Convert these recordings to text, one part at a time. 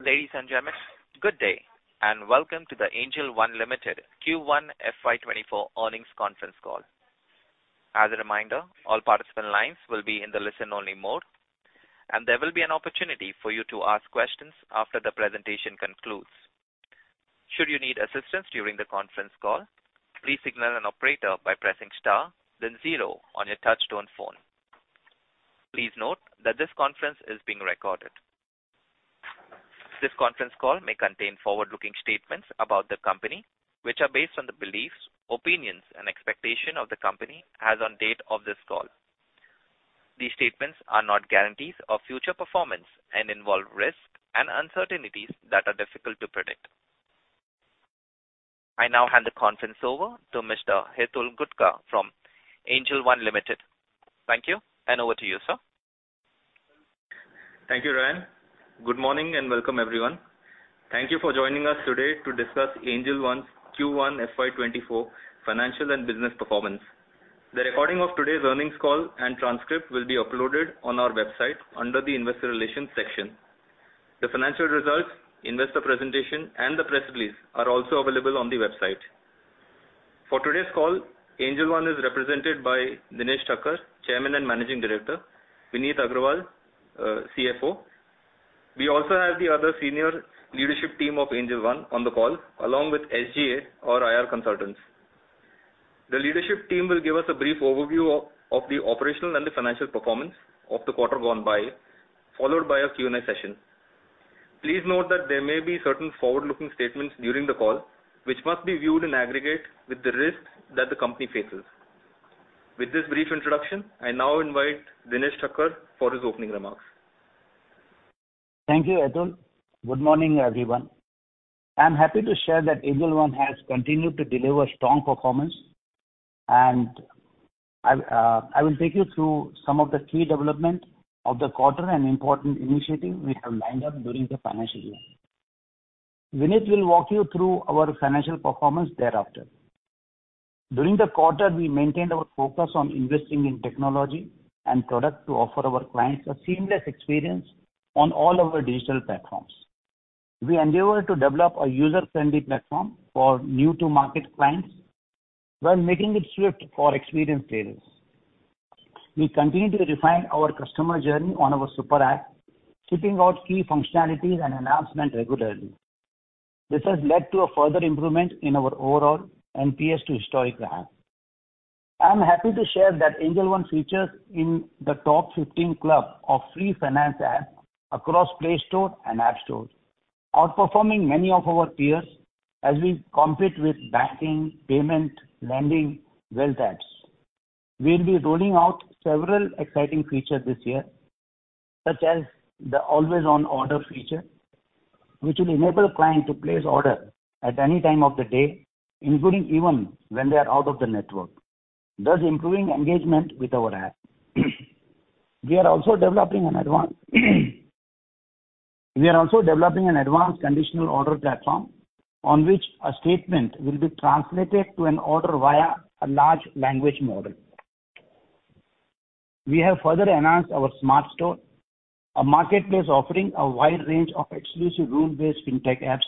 Ladies and gentlemen, good day, and welcome to the Angel One Q1 FY24 earnings conference call. As a reminder, all participant lines will be in the listen-only mode, and there will be an opportunity for you to ask questions after the presentation concludes. Should you need assistance during the conference call, please signal an operator by pressing star, then 0 on your touchtone phone. Please note that this conference is being recorded. This conference call may contain forward-looking statements about the company, which are based on the beliefs, opinions, and expectation of the company as on date of this call. These statements are not guarantees of future performance and involve risks and uncertainties that are difficult to predict. I now hand the conference over to Mr. Hitul Gutka from Angel One. Thank you, and over to you, sir. Thank you, Ryan. Good morning, welcome, everyone. Thank you for joining us today to discuss Angel One's Q1 FY24 financial and business performance. The recording of today's earnings call and transcript will be uploaded on our website under the Investor Relations section. The financial results, investor presentation, and the press release are also available on the website. For today's call, Angel One is represented by Dinesh Thakkar, Chairman and Managing Director, Vineet Agrawal, CFO. We also have the other senior leadership team of Angel One on the call, along with SGA, our IR consultants. The leadership team will give us a brief overview of the operational and the financial performance of the quarter gone by, followed by a Q&A session. Please note that there may be certain forward-looking statements during the call, which must be viewed in aggregate with the risks that the company faces. With this brief introduction, I now invite Dinesh Thakkar for his opening remarks. Thank you, Hitul. Good morning, everyone. I'm happy to share that Angel One has continued to deliver strong performance, and I will take you through some of the key development of the quarter and important initiatives we have lined up during the financial year. Vineet will walk you through our financial performance thereafter. During the quarter, we maintained our focus on investing in technology and product to offer our clients a seamless experience on all our digital platforms. We endeavored to develop a user-friendly platform for new-to-market clients while making it swift for experienced traders. We continue to refine our customer journey on our Super App, shipping out key functionalities and enhancements regularly. This has led to a further improvement in our overall NPS to historic high. I am happy to share that Angel One features in the top 15 club of free finance apps across Play Store and App Store, outperforming many of our peers as we compete with banking, payment, lending, wealth apps. We'll be rolling out several exciting features this year, such as the Always-On Order feature, which will enable client to place order at any time of the day, including even when they are out of the network, thus improving engagement with our app. We are also developing an advanced conditional order platform, on which a statement will be translated to an order via a large language model. We have further enhanced our SmartStore, a marketplace offering a wide range of exclusive rule-based fintech apps,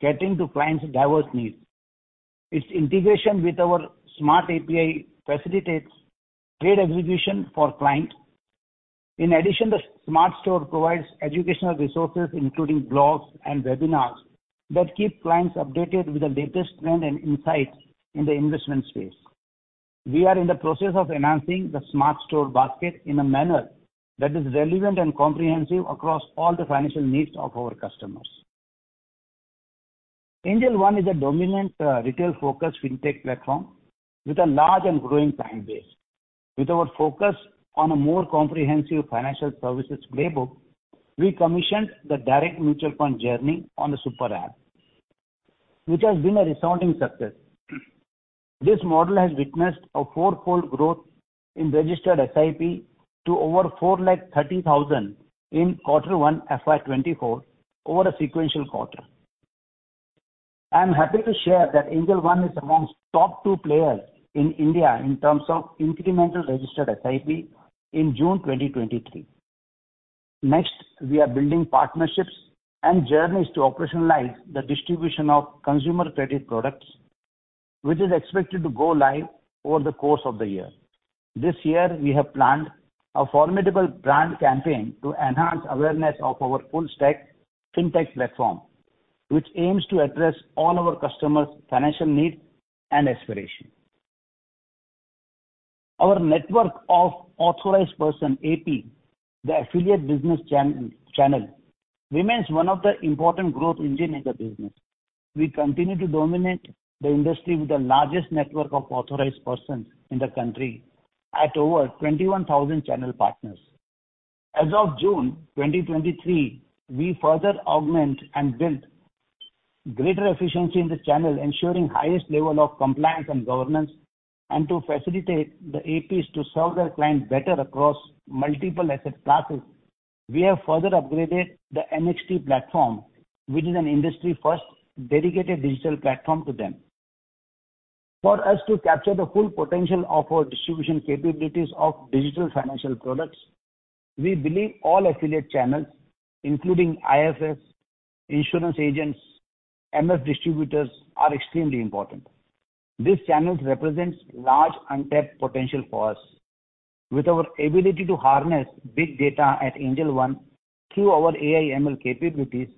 catering to clients' diverse needs. Its integration with our SmartAPI facilitates trade execution for client. In addition, the SmartStore provides educational resources, including blogs and webinars, that keep clients updated with the latest trends and insights in the investment space. We are in the process of enhancing the SmartStore basket in a manner that is relevant and comprehensive across all the financial needs of our customers. Angel One is a dominant retail-focused fintech platform with a large and growing client base. With our focus on a more comprehensive financial services playbook, we commissioned the direct mutual fund journey on the Super App, which has been a resounding success. This model has witnessed a fourfold growth in registered SIP to over 4.30 lakh in quarter one, FY 2024, over a sequential quarter. I am happy to share that Angel One is amongst top two players in India in terms of incremental registered SIP in June 2023. We are building partnerships and journeys to operationalize the distribution of consumer credit products, which is expected to go live over the course of the year. This year, we have planned a formidable brand campaign to enhance awareness of our full-stack fintech platform, which aims to address all our customers' financial needs and aspirations. Our network of Authorized Person, AP, the affiliate business channel, remains one of the important growth engine in the business. We continue to dominate the industry with the largest network of Authorized Persons in the country at over 21,000 channel partners. As of June 2023, we further augment and build greater efficiency in the channel, ensuring highest level of compliance and governance. To facilitate the APs to serve their clients better across multiple asset classes, we have further upgraded the NXT platform, which is an industry-first dedicated digital platform to them. For us to capture the full potential of our distribution capabilities of digital financial products, we believe all affiliate channels, including IFS, insurance agents, MF distributors, are extremely important. These channels represents large untapped potential for us. With our ability to harness big data at Angel One through our AI ML capabilities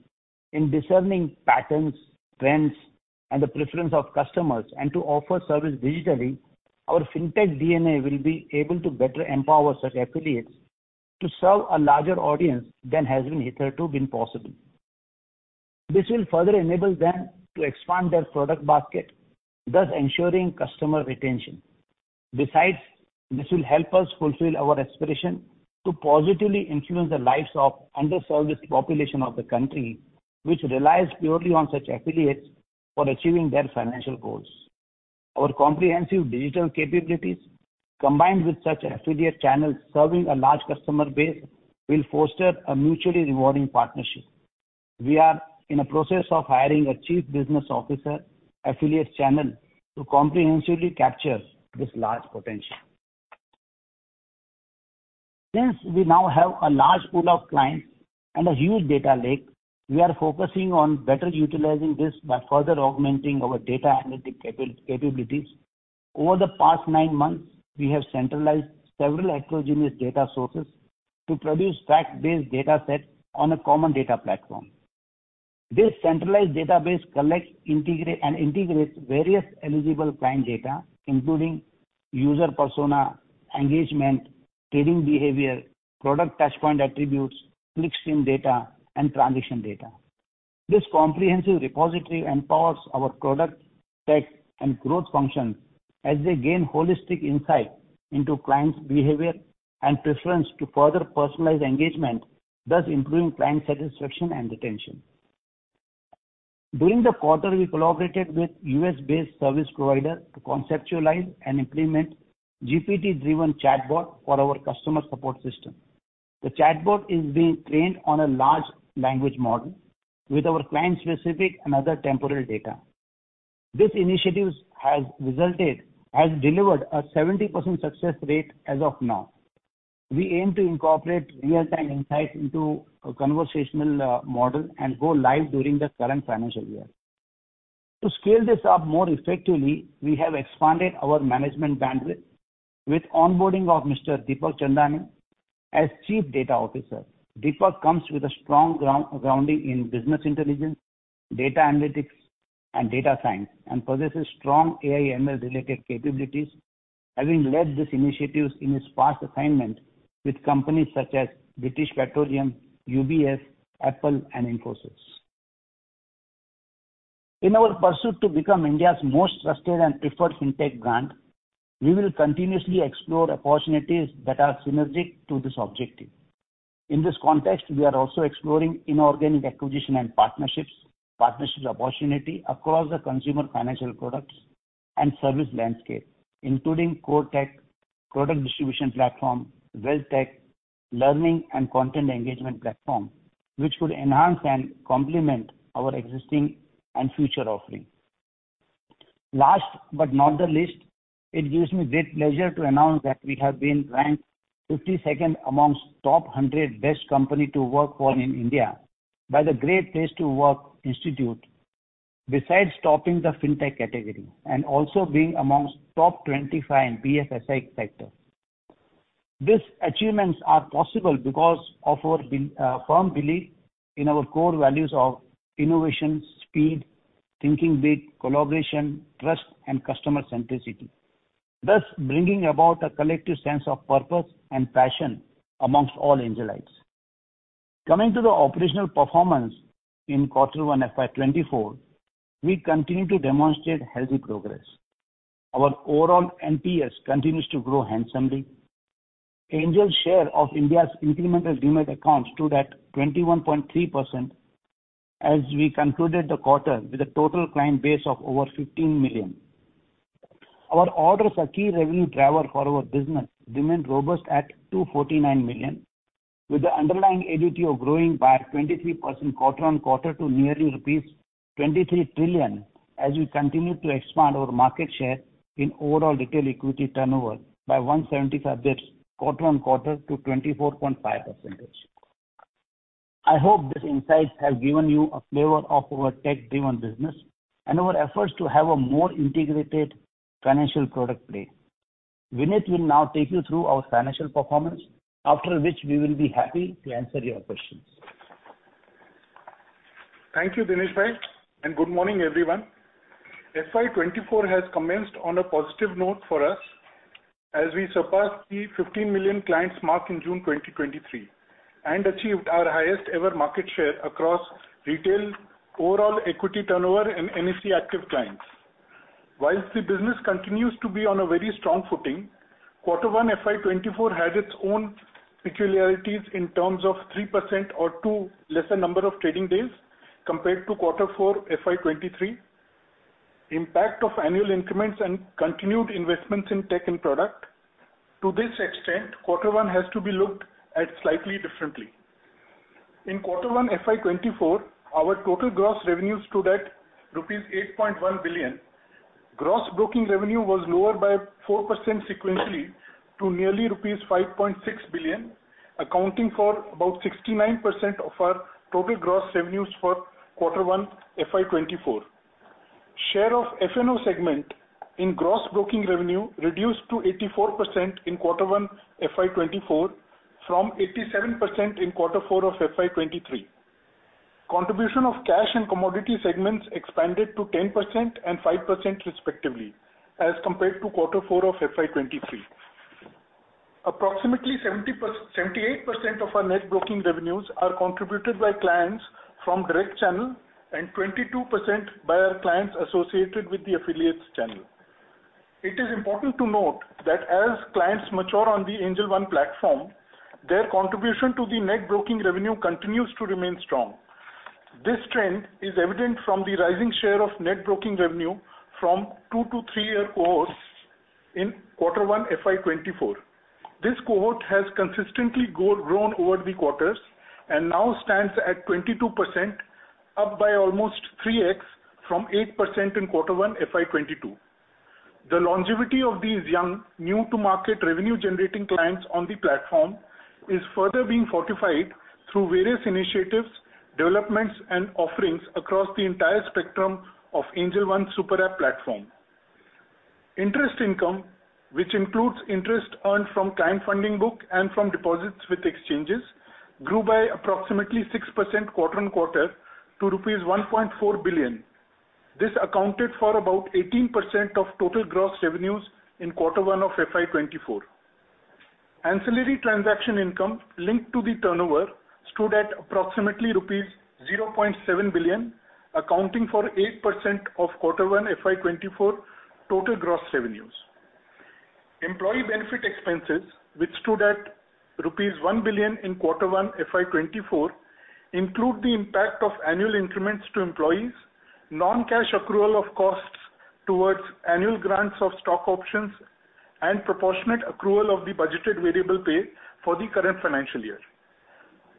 in discerning patterns, trends, and the preference of customers, and to offer service digitally, our Fintech DNA will be able to better empower such affiliates to serve a larger audience than has been hitherto been possible. This will further enable them to expand their product basket, thus ensuring customer retention. This will help us fulfill our aspiration to positively influence the lives of underserved population of the country, which relies purely on such affiliates for achieving their financial goals. Our comprehensive digital capabilities, combined with such affiliate channels serving a large customer base, will foster a mutually rewarding partnership. We are in a process of hiring a chief business officer, affiliates channel, to comprehensively capture this large potential. Since we now have a large pool of clients and a huge data lake, we are focusing on better utilizing this by further augmenting our data analytic capabilities. Over the past nine months, we have centralized several heterogeneous data sources to produce fact-based data set on a common data platform. This centralized database collects, integrate, and integrates various eligible client data, including user persona, engagement, trading behavior, product touch point attributes, clickstream data, and transaction data. This comprehensive repository empowers our product, tech, and growth function as they gain holistic insight into clients' behavior and preference to further personalize engagement, thus improving client satisfaction and retention. During the quarter, we collaborated with U.S.-based service provider to conceptualize and implement GPT-driven chatbot for our customer support system. The chatbot is being trained on a large language model with our client-specific and other temporal data. This initiatives has delivered a 70% success rate as of now. We aim to incorporate real-time insights into a conversational model and go live during the current financial year. To scale this up more effectively, we have expanded our management bandwidth with onboarding of Mr. Deepak Chandani as Chief Data Officer. Deepak comes with a strong grounding in business intelligence, data analytics, and data science, and possesses strong AI ML-related capabilities, having led this initiatives in his past assignment with companies such as British Petroleum, UBS, Apple, and Infosys. In our pursuit to become India's most trusted and preferred Fintech brand, we will continuously explore opportunities that are synergistic to this objective. In this context, we are also exploring inorganic acquisition and partnerships opportunity across the consumer financial products and service landscape, including core tech, product distribution platform, wealth tech, learning and content engagement platform, which could enhance and complement our existing and future offerings. Last but not the least, it gives me great pleasure to announce that we have been ranked 52nd amongst top 100 best company to work for in India by the Great Place To Work Institute, besides topping the Fintech category and also being amongst top 25 in BFSI sector. These achievements are possible because of our firm belief in our core values of innovation, speed, thinking big, collaboration, trust, and customer centricity, thus bringing about a collective sense of purpose and passion amongst all Angelites. Coming to the operational performance in quarter one, FY 24, we continue to demonstrate healthy progress. Our overall NPS continues to grow handsomely. Angel's share of India's incremental demat accounts stood at 21.3%, as we concluded the quarter with a total client base of over 15 million. Our orders, a key revenue driver for our business, remained robust at 249 million, with the underlying ADTO growing by 23% quarter-on-quarter to nearly rupees 23 trillion, as we continue to expand our market share in overall retail equity turnover by 175 basis, quarter-on-quarter to 24.5%. I hope these insights have given you a flavor of our tech-driven business and our efforts to have a more integrated financial product play. Vineet will now take you through our financial performance, after which we will be happy to answer your questions. Thank you, Dinesh Bhai. Good morning, everyone. FY 2024 has commenced on a positive note for us as we surpassed the 15 million clients mark in June 2023, and achieved our highest ever market share across retail, overall equity turnover, and NSE active clients. Whilst the business continues to be on a very strong footing, quarter one, FY 2024, has its own peculiarities in terms of 3% or two lesser number of trading days compared to quarter four, FY 2023, impact of annual increments and continued investments in tech and product. To this extent, quarter one has to be looked at slightly differently. In quarter one, FY 2024, our total gross revenues stood at rupees 8.1 billion. Gross broking revenue was lower by 4% sequentially, to nearly rupees 5.6 billion, accounting for about 69% of our total gross revenues for quarter one, FY 2024. Share of F&O segment in gross broking revenue reduced to 84% in quarter one, FY 2024, from 87% in quarter four of FY 2023. Contribution of cash and commodity segments expanded to 10% and 5% respectively, as compared to quarter four of FY 2023. Approximately 78% of our net broking revenues are contributed by clients from direct channel, and 22% by our clients associated with the affiliates channel. It is important to note that as clients mature on the Angel One platform, their contribution to the net broking revenue continues to remain strong. This trend is evident from the rising share of net broking revenue from two to three-year cohorts in quarter one, FY 2024. This cohort has consistently grown over the quarters and now stands at 22%, up by almost 3x, from 8% in quarter one, FY 2022. The longevity of these young, new-to-market revenue generating clients on the platform is further being fortified through various initiatives, developments, and offerings across the entire spectrum of Angel One Super App platform. Interest income, which includes interest earned from client funding book and from deposits with exchanges, grew by approximately 6% quarter-on-quarter to rupees 1.4 billion. This accounted for about 18% of total gross revenues in quarter one of FY 2024. Ancillary transaction income linked to the turnover, stood at approximately rupees 0.7 billion, accounting for 8% of quarter one, FY 2024 total gross revenues. Employee benefit expenses, which stood at 1 billion rupees in quarter one, FY 2024, include the impact of annual increments to employees, non-cash accrual of costs towards annual grants of stock options, and proportionate accrual of the budgeted variable pay for the current financial year.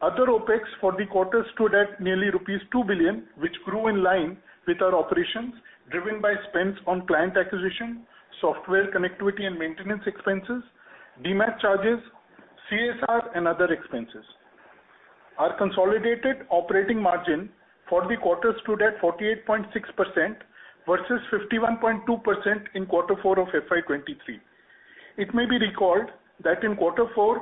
Other OpEx for the quarter stood at nearly rupees 2 billion, which grew in line with our operations, driven by spends on client acquisition, software connectivity and maintenance expenses, demat charges, CSR, and other expenses. Our consolidated operating margin for the quarter stood at 48.6% versus 51.2% in quarter four of FY 2023. It may be recalled that in Q4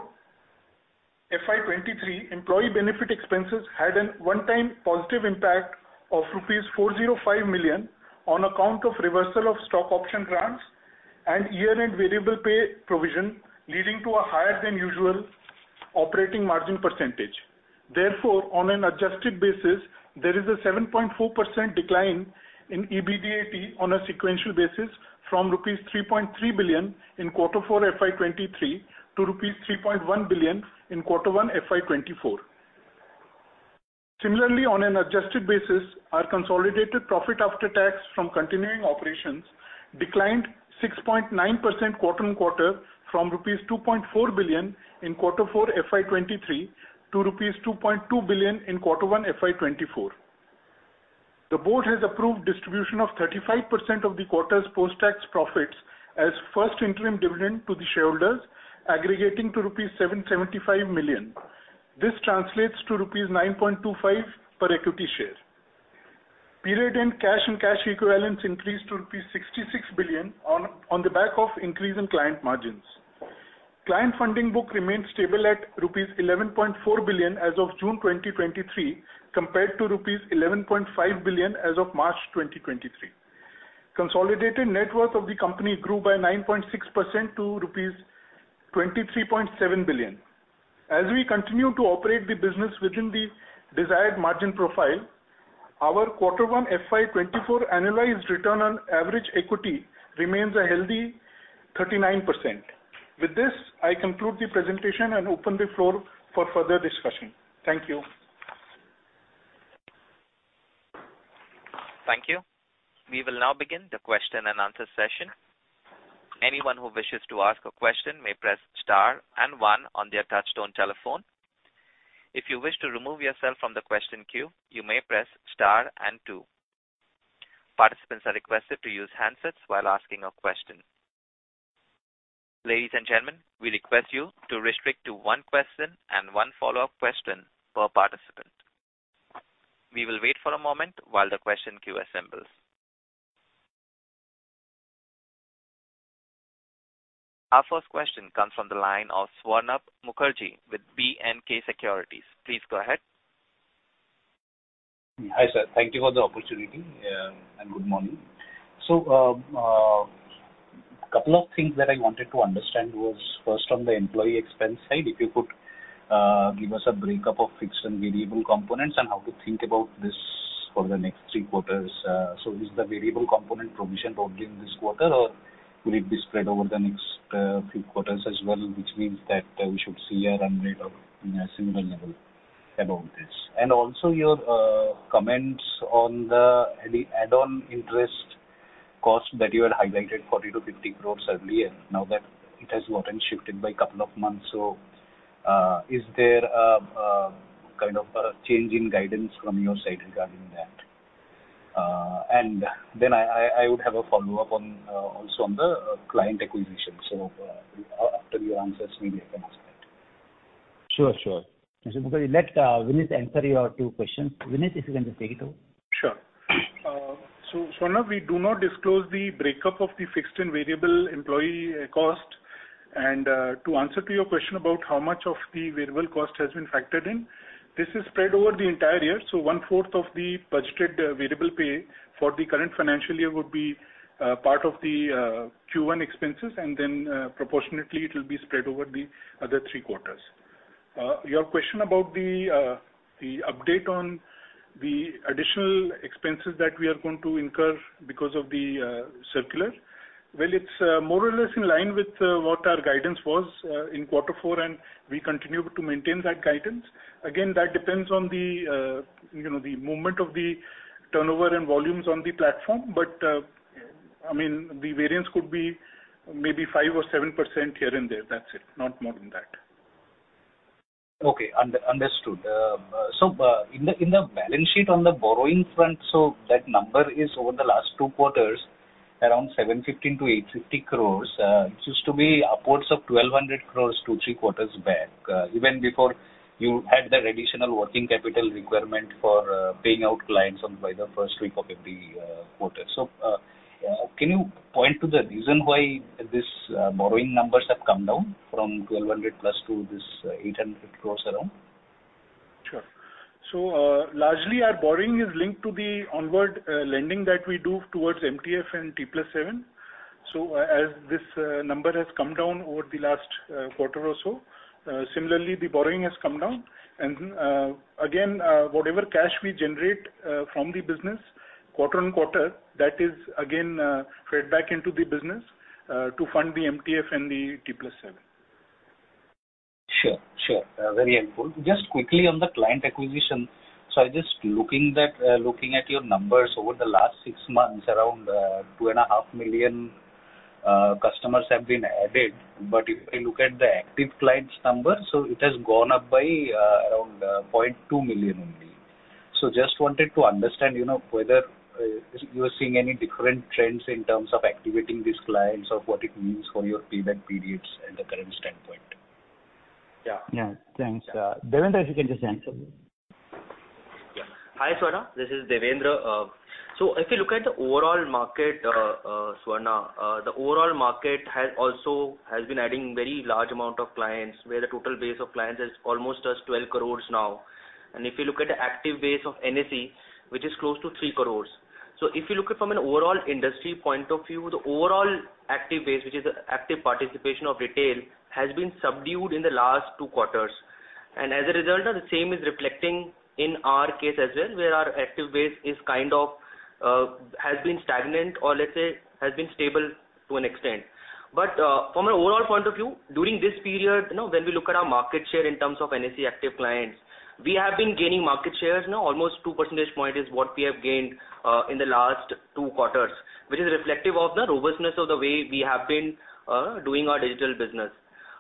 FY2023, employee benefit expenses had an one-time positive impact of rupees 405 million on account of reversal of stock option grants and year-end variable pay provision, leading to a higher than usual operating margin percentage. Therefore, on an adjusted basis, there is a 7.4% decline in EBITDA on a sequential basis from rupees 3.3 billion in Q4 FY2023 to rupees 3.1 billion in Q1 FY2024. Similarly, on an adjusted basis, our consolidated profit after tax from continuing operations declined 6.9% quarter-on-quarter from INR 2.4 billion in Q4 FY2023 to rupees 2.2 billion in Q1 FY2024. The board has approved distribution of 35% of the quarter's post-tax profits as first interim dividend to the shareholders, aggregating to rupees 775 million. This translates to rupees 9.25 per equity share. Period end cash and cash equivalents increased to rupees 66 billion on the back of increase in client margins. Client funding book remained stable at 11.4 billion rupees as of June 2023, compared to 11.5 billion rupees as of March 2023. Consolidated net worth of the company grew by 9.6% to rupees 23.7 billion. As we continue to operate the business within the desired margin profile, our quarter one, FY 2024 analyzed return on average equity remains a healthy 39%. With this, I conclude the presentation and open the floor for further discussion. Thank you. Thank you. We will now begin the question-and-answer session. Anyone who wishes to ask a question may press star and one on their touchtone telephone. If you wish to remove yourself from the question queue, you may press star and two. Participants are requested to use handsets while asking a question. Ladies and gentlemen, we request you to restrict to one question and one follow-up question per participant. We will wait for a moment while the question queue assembles. Our first question comes from the line of Swarnab Mukherjee with BNK Securities. Please go ahead. Hi, sir. Thank you for the opportunity, and good morning. Couple of things that I wanted to understand was, first, on the employee expense side, if you could give us a breakup of fixed and variable components and how to think about this for the next three quarters. Is the variable component provisioned only in this quarter, or will it be spread over the next few quarters as well, which means that we should see a run rate of in a similar level about this? Also, your comments on the any add-on interest cost that you had highlighted, 40-50 crores earlier. Now that it has gotten shifted by a couple of months. Is there a kind of a change in guidance from your side regarding that? I would have a follow-up on also on the client acquisition. After your answers, maybe I can ask that. Sure. Mr. Mukherjee. let Vineet answer your two questions. Vineet, if you can just take it over. Sure. Swarnab, we do not disclose the breakup of the fixed and variable employee cost. To answer to your question about how much of the variable cost has been factored in, this is spread over the entire year, one-fourth of the budgeted variable pay for the current financial year would be part of the Q1 expenses, proportionately, it will be spread over the other three quarters. Your question about the update on the additional expenses that we are going to incur because of the circular. Well, it's more or less in line with what our guidance was in quarter four, we continue to maintain that guidance. Again, that depends on the, you know, the movement of the turnover and volumes on the platform. I mean, the variance could be maybe 5% or 7% here and there. That's it. Not more than that. Okay, understood. In the balance sheet on the borrowing front, that number is over the last two quarters, around 750 crore-850 crore. It used to be upwards of 1,200 crore, two, three quarters back, even before you had that additional working capital requirement for paying out clients on by the first week of every quarter. Can you point to the reason why this borrowing numbers have come down from 1,200+ crore to this 800 crore around? Sure. Largely, our borrowing is linked to the onward lending that we do towards MTF and T+7. As this number has come down over the last quarter or so, similarly, the borrowing has come down. Again, whatever cash we generate from the business, quarter-on-quarter, that is again fed back into the business to fund the MTF and the T+7. Sure, sure. Very helpful. Just quickly on the client acquisition. I just looking that, looking at your numbers over the last six months, around 2.5 million customers have been added. If I look at the active clients number, it has gone up by around 0.2 million only. Just wanted to understand, you know, whether you are seeing any different trends in terms of activating these clients or what it means for your payment periods in the current standpoint. Yeah. Yeah, thanks. Devender, if you can just answer. Yeah. Hi, Swarnab. This is Devender. If you look at the overall market, Swarnab, the overall market has also been adding very large amount of clients, where the total base of clients is almost as 12 crores now. If you look at the active base of NSE, which is close to 3 crores. If you look at from an overall industry point of view, the overall active base, which is the active participation of retail, has been subdued in the last two quarters. As a result, the same is reflecting in our case as well, where our active base is kind of has been stagnant, or let's say, has been stable to an extent. From an overall point of view, during this period, you know, when we look at our market share in terms of NSE active clients, we have been gaining market shares. Now, almost 2% points is what we have gained in the last two quarters, which is reflective of the robustness of the way we have been doing our digital business.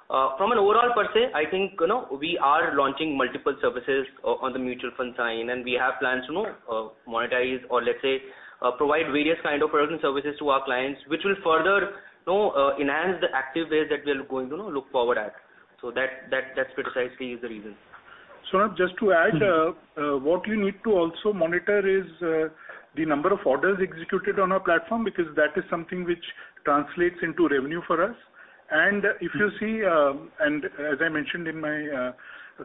From an overall per se, I think, you know, we are launching multiple services on the mutual funds side, and we have plans to monetize or let's say, provide various kind of products and services to our clients, which will further, you know, enhance the active base that we are going to look forward at. That precisely is the reason. Swarnab, just to add, what you need to also monitor is the number of orders executed on our platform, because that is something which translates into revenue for us. If you see, as I mentioned in my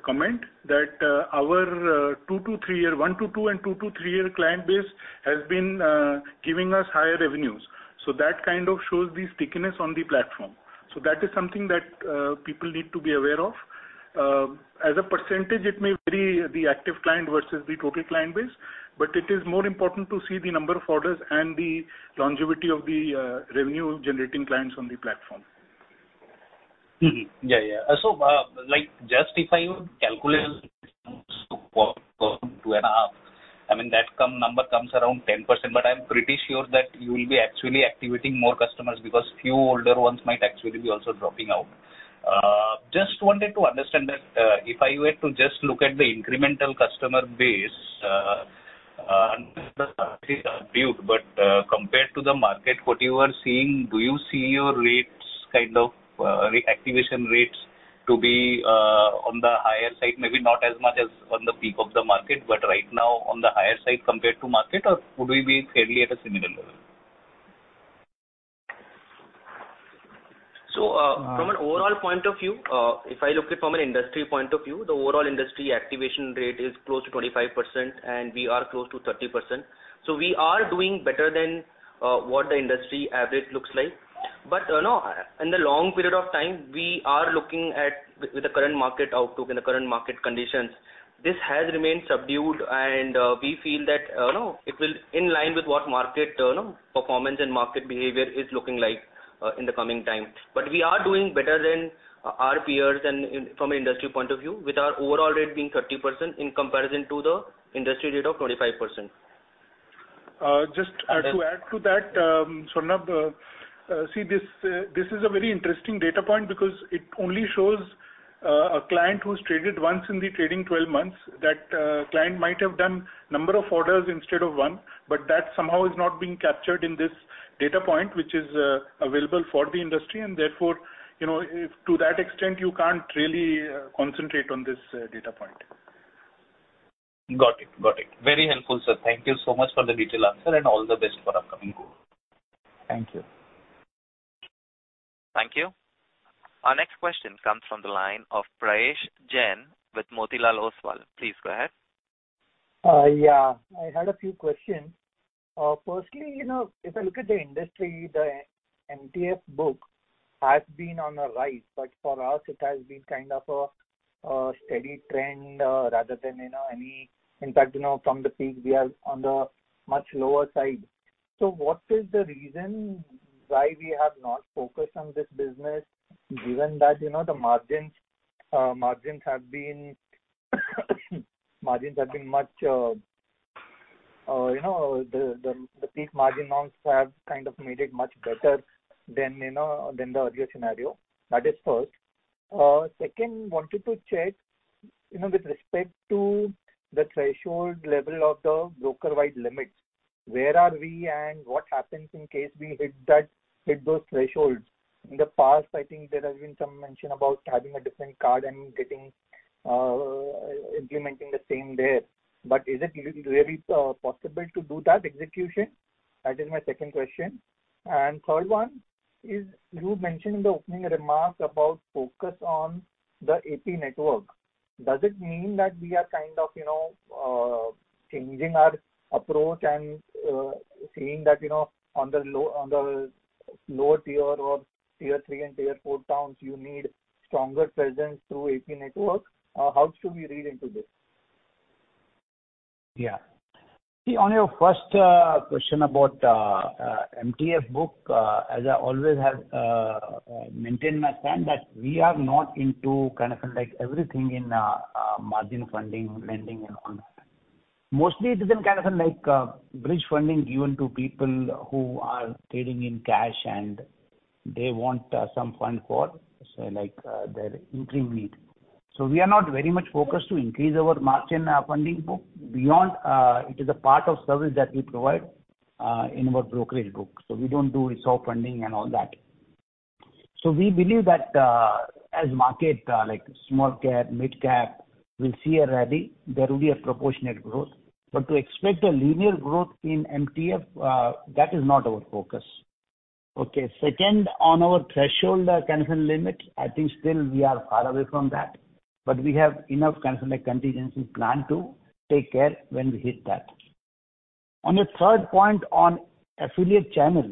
comment, that our two-three-year, one-two and two-three-year client base has been giving us higher revenues. That kind of shows the stickiness on the platform. That is something that people need to be aware of. As a Precentage, it may vary, the active client versus the total client base, but it is more important to see the number of orders and the longevity of the revenue-generating clients on the platform. Mm-hmm. Yeah, yeah. like, just if I would calculate two and a half, I mean, that number comes around 10%, but I'm pretty sure that you will be actually activating more customers because few older ones might actually be also dropping out. just wanted to understand that if I were to just look at the incremental customer base, compared to the market, what you are seeing, do you see your rates kind of, reactivation rates to be on the higher side? Maybe not as much as on the peak of the market, but right now on the higher side compared to market, or would we be fairly at a similar level? From an overall point of view, if I look it from an industry point of view, the overall industry activation rate is close to 25%, and we are close to 30%. We are doing better than what the industry average looks like. You know, in the long period of time, we are looking at with the current market outlook and the current market conditions, this has remained subdued, and we feel that, you know, it will in line with what market, you know, performance and market behavior is looking like in the coming time. We are doing better than our peers and in, from an industry point of view, with our overall rate being 30% in comparison to the industry rate of 25%. Just to add to that, Swarnab, see, this is a very interesting data point because it only shows a client who's traded once in the trading 12 months, that client might have done number of orders instead of one, but that somehow is not being captured in this data point, which is available for the industry, and therefore, you know, if to that extent, you can't really concentrate on this data point. Got it. Got it. Very helpful, sir. Thank you so much for the detailed answer, and all the best for upcoming goal. Thank you. Thank you. Our next question comes from the line of Prayesh Jain with Motilal Oswal. Please go ahead. Yeah, I had a few questions. Firstly, you know, if I look at the industry, the MTF book has been on a rise, for us it has been kind of a steady trend, rather than, you know, in fact, you know, from the peak, we are on the much lower side. What is the reason why we have not focused on this business, given that, you know, the margins have been much, you know, the peak margin norms have kind of made it much better than, you know, than the earlier scenario? That is first. Second, wanted to check, you know, with respect to the threshold level of the broker-wide limits, where are we and what happens in case we hit those thresholds? In the past, I think there has been some mention about having a different card and getting, implementing the same there. Is it really possible to do that execution? That is my second question. Third one is, you mentioned in the opening remarks about focus on the AP network. Does it mean that we are kind of, you know, changing our approach and saying that, you know, on the lower tier or tier 3 and tier 4 towns, you need stronger presence through AP network? How should we read into this? See, on your first question about MTF book, as I always have maintained my stand, that we are not into kind of like everything in margin funding, lending and all that. Mostly, it is in kind of like bridge funding given to people who are trading in cash, and they want some fund for their interim need. We are not very much focused to increase our margin funding book beyond, it is a part of service that we provide in our brokerage book. We don't do resolve funding and all that. We believe that as market like small cap, mid cap, we'll see a rally. There will be a proportionate growth. To expect a linear growth in MTF, that is not our focus. Okay, second, on our threshold, kind of limit, I think still we are far away from that, but we have enough kind of, like, contingency plan to take care when we hit that. On the third point, on affiliate channel,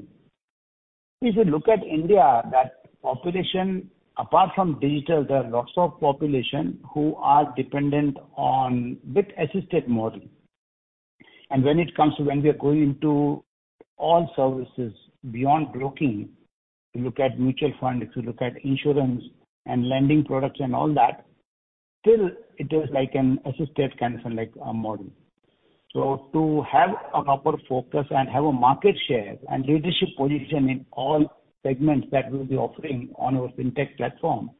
if you look at India, that population, apart from digital, there are lots of population who are dependent on bit-assisted model. When we are going into all services beyond broking, if you look at mutual fund, if you look at insurance and lending products and all that, still it is like an assisted kind of like, model. To have a proper focus and have a market share and leadership position in all segments that we'll be offering on our fintech platform,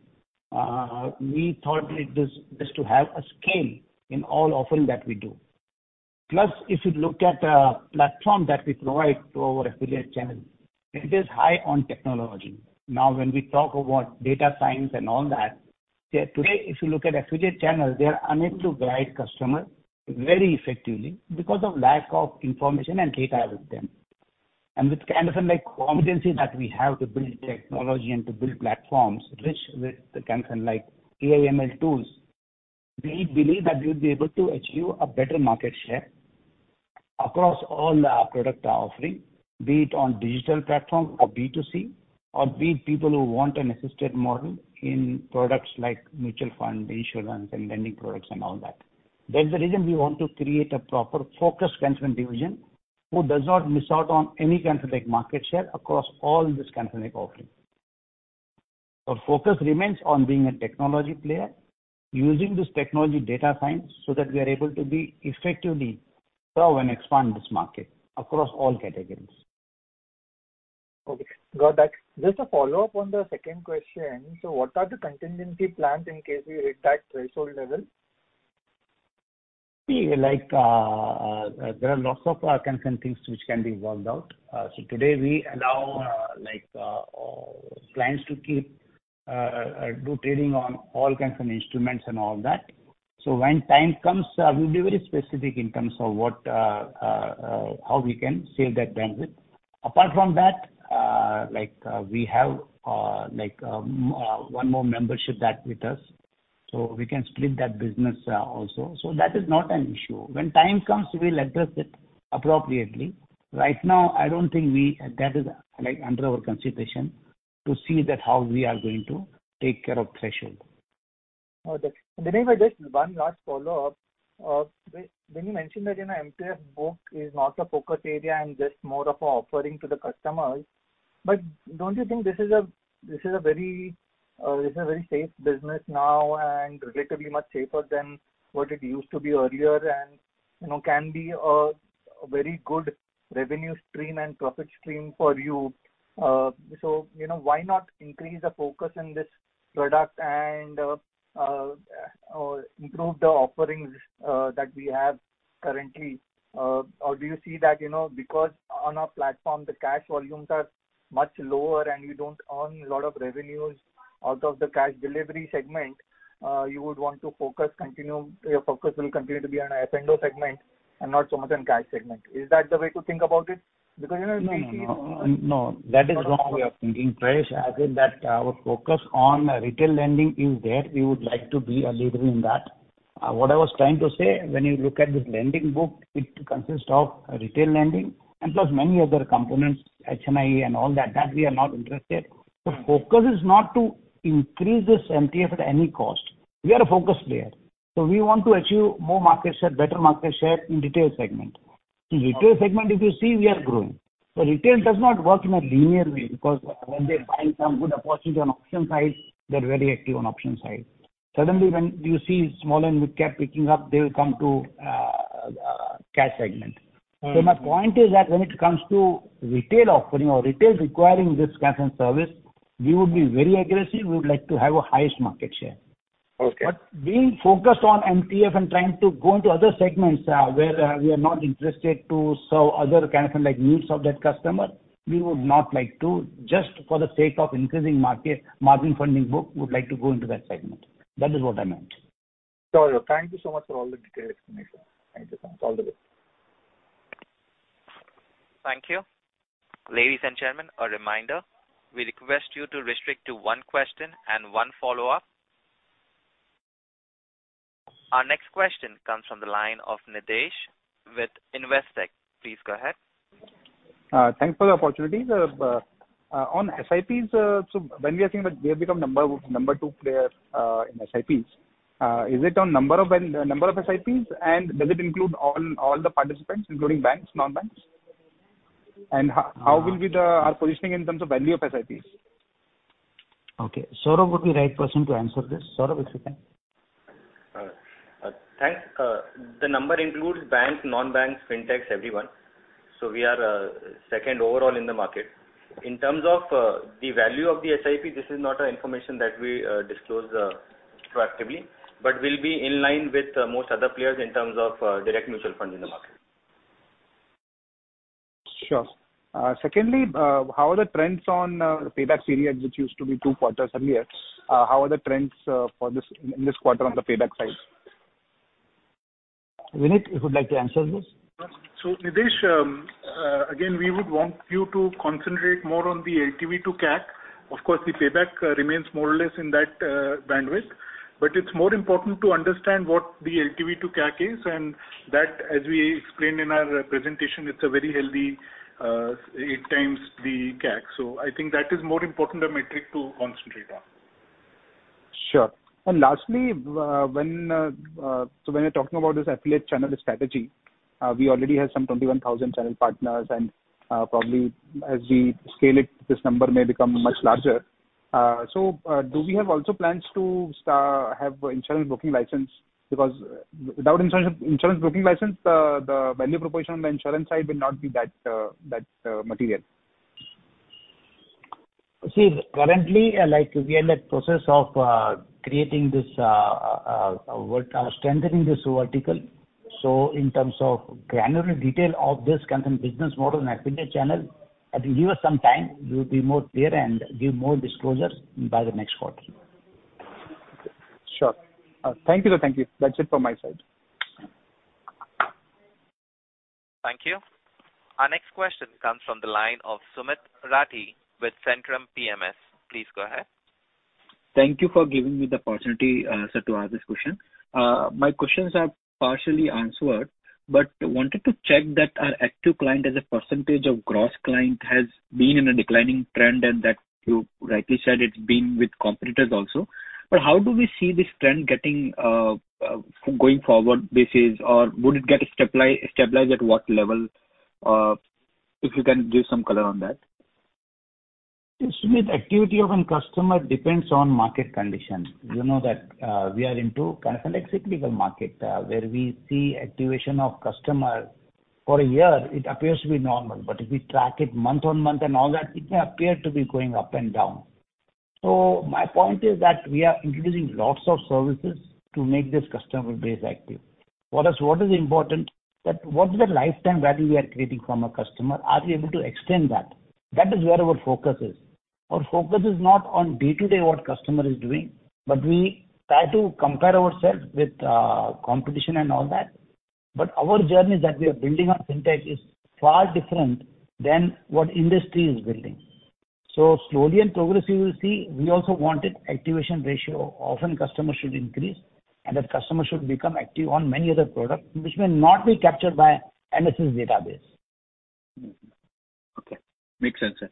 we thought it is best to have a scale in all offering that we do. Plus, if you look at the platform that we provide to our affiliate channel, it is high on technology. Now, when we talk about data science and all that, today, if you look at affiliate channels, they are unable to guide customers very effectively because of lack of information and data with them. With kind of like competency that we have to build technology and to build platforms rich with the kind of like AI, ML tools, we believe that we will be able to achieve a better market share across all the product offering, be it on digital platform or B2C, or be it people who want an assisted model in products like mutual fund, insurance and lending products and all that. That's the reason we want to create a proper focused kind of division who does not miss out on any kind of like, market share across all this kind of like, offering. Our focus remains on being a technology player, using this technology data science, so that we are able to be effectively grow and expand this market across all categories. Okay, got that. Just a follow-up on the second question: What are the contingency plans in case we hit that threshold level? See, like, there are lots of kinds of things which can be worked out. Today we allow clients to keep do trading on all kinds of instruments and all that. When time comes, we'll be very specific in terms of what how we can save that benefit. Apart from that, we have one more membership that with us, so we can split that business also. That is not an issue. When time comes, we will address it appropriately. Right now, that is like, under our consideration to see that how we are going to take care of threshold. Oh, that's. Vineet, just one last follow-up. when you mentioned that, you know, MTF book is not a focus area and just more of a offering to the customers, don't you think this is a very safe business now and relatively much safer than what it used to be earlier and, you know, can be a very good revenue stream and profit stream for you? you know, why not increase the focus in this product and or improve the offerings that we have currently? do you see that, you know, because on our platform, the cash volumes are much lower and you don't earn a lot of revenues out of the cash delivery segment, you would want to focus continue... Your focus will continue to be on our F&O segment and not so much on cash segment. Is that the way to think about it? Because, you know, we see- No, no. No, that is wrong way of thinking, Prayesh. I said that our focus on retail lending is there. We would like to be a leader in that. What I was trying to say, when you look at this lending book, it consists of retail lending and plus many other components, HNI and all that we are not interested. The focus is not to increase this MTF at any cost. We are a focus player. We want to achieve more market share, better market share in retail segment. In retail segment, if you see, we are growing. Retail does not work in a linear way because when they're buying some good opportunity on option side, they're very active on option side. Suddenly when you see small and mid-cap picking up, they will come to cash segment. Mm. My point is that when it comes to retail offering or retail requiring this kind of service, we would be very aggressive. We would like to have a highest market share. Okay. being focused on MTF and trying to go into other segments, where, we are not interested to serve other kind of like needs of that customer, we would not like to, just for the sake of increasing margin funding book, would like to go into that segment. That is what I meant. Sure. Thank you so much for all the detailed explanation. Thank you. All the best. Thank you. Ladies and gentlemen, a reminder, we request you to restrict to one question and one follow-up. Our next question comes from the line of Nidhesh with Investec. Please go ahead. Thanks for the opportunity. On SIPs, so when we are saying that we have become number two player in SIPs, is it on number of SIPs? And does it include all the participants, including banks, non-banks? And how will be our positioning in terms of value of SIPs? Okay. Saurabh would be right person to answer this. Saurabh, if you can. Thanks. The number includes banks, non-banks, fintechs, everyone. We are second overall in the market. In terms of the value of the SIP, this is not an information that we disclose proactively, but we'll be in line with most other players in terms of direct mutual funds in the market. Sure. Secondly, how are the trends on payback period, which used to be two quarters earlier? How are the trends for this, in this quarter on the payback side? Vineet, if you'd like to answer this. Nidhesh, again, we would want you to concentrate more on the LTV to CAC. Of course, the payback remains more or less in that bandwidth. It's more important to understand what the LTV to CAC is, and that, as we explained in our presentation, it's a very healthy eight times the CAC. I think that is more important a metric to concentrate on. Lastly, when you're talking about this affiliate channel strategy, we already have some 21,000 channel partners, and probably as we scale it, this number may become much larger. Do we have also plans to have insurance booking license? Because without insurance booking license, the value proposition on the insurance side will not be that, material. Currently, like, we are in the process of creating this strengthening this vertical. In terms of granular detail of this kind of business model and affiliate channel, I think give us some time, we will be more clear and give more disclosures by the next quarter. Sure. Thank you. Thank you. That's it from my side. Thank you. Our next question comes from the line of Sumit Rathi with Centrum PMS. Please go ahead. Thank you for giving me the opportunity, sir, to ask this question. My questions are partially answered, but wanted to check that our active client as a percentage of gross client has been in a declining trend, and that you rightly said it's been with competitors also. How do we see this trend getting going forward basis, or would it get stabilized at what level? If you can give some color on that. Yes, Sumit, activity of a customer depends on market conditions. You know that, we are into kind of like cyclical market, where we see activation of customer. For a year, it appears to be normal. If we track it month-on-month and all that, it may appear to be going up and down. My point is that we are introducing lots of services to make this customer base active. For us, what is important, that what is the lifetime value we are creating from a customer? Are we able to extend that? That is where our focus is. Our focus is not on day-to-day what customer is doing, we try to compare ourselves with competition and all that. Our journey that we are building on FinTech is far different than what industry is building. Slowly and progressively, you will see we also wanted activation ratio of an customer should increase, and that customer should become active on many other products, which may not be captured by NSS database. Okay, makes sense, sir.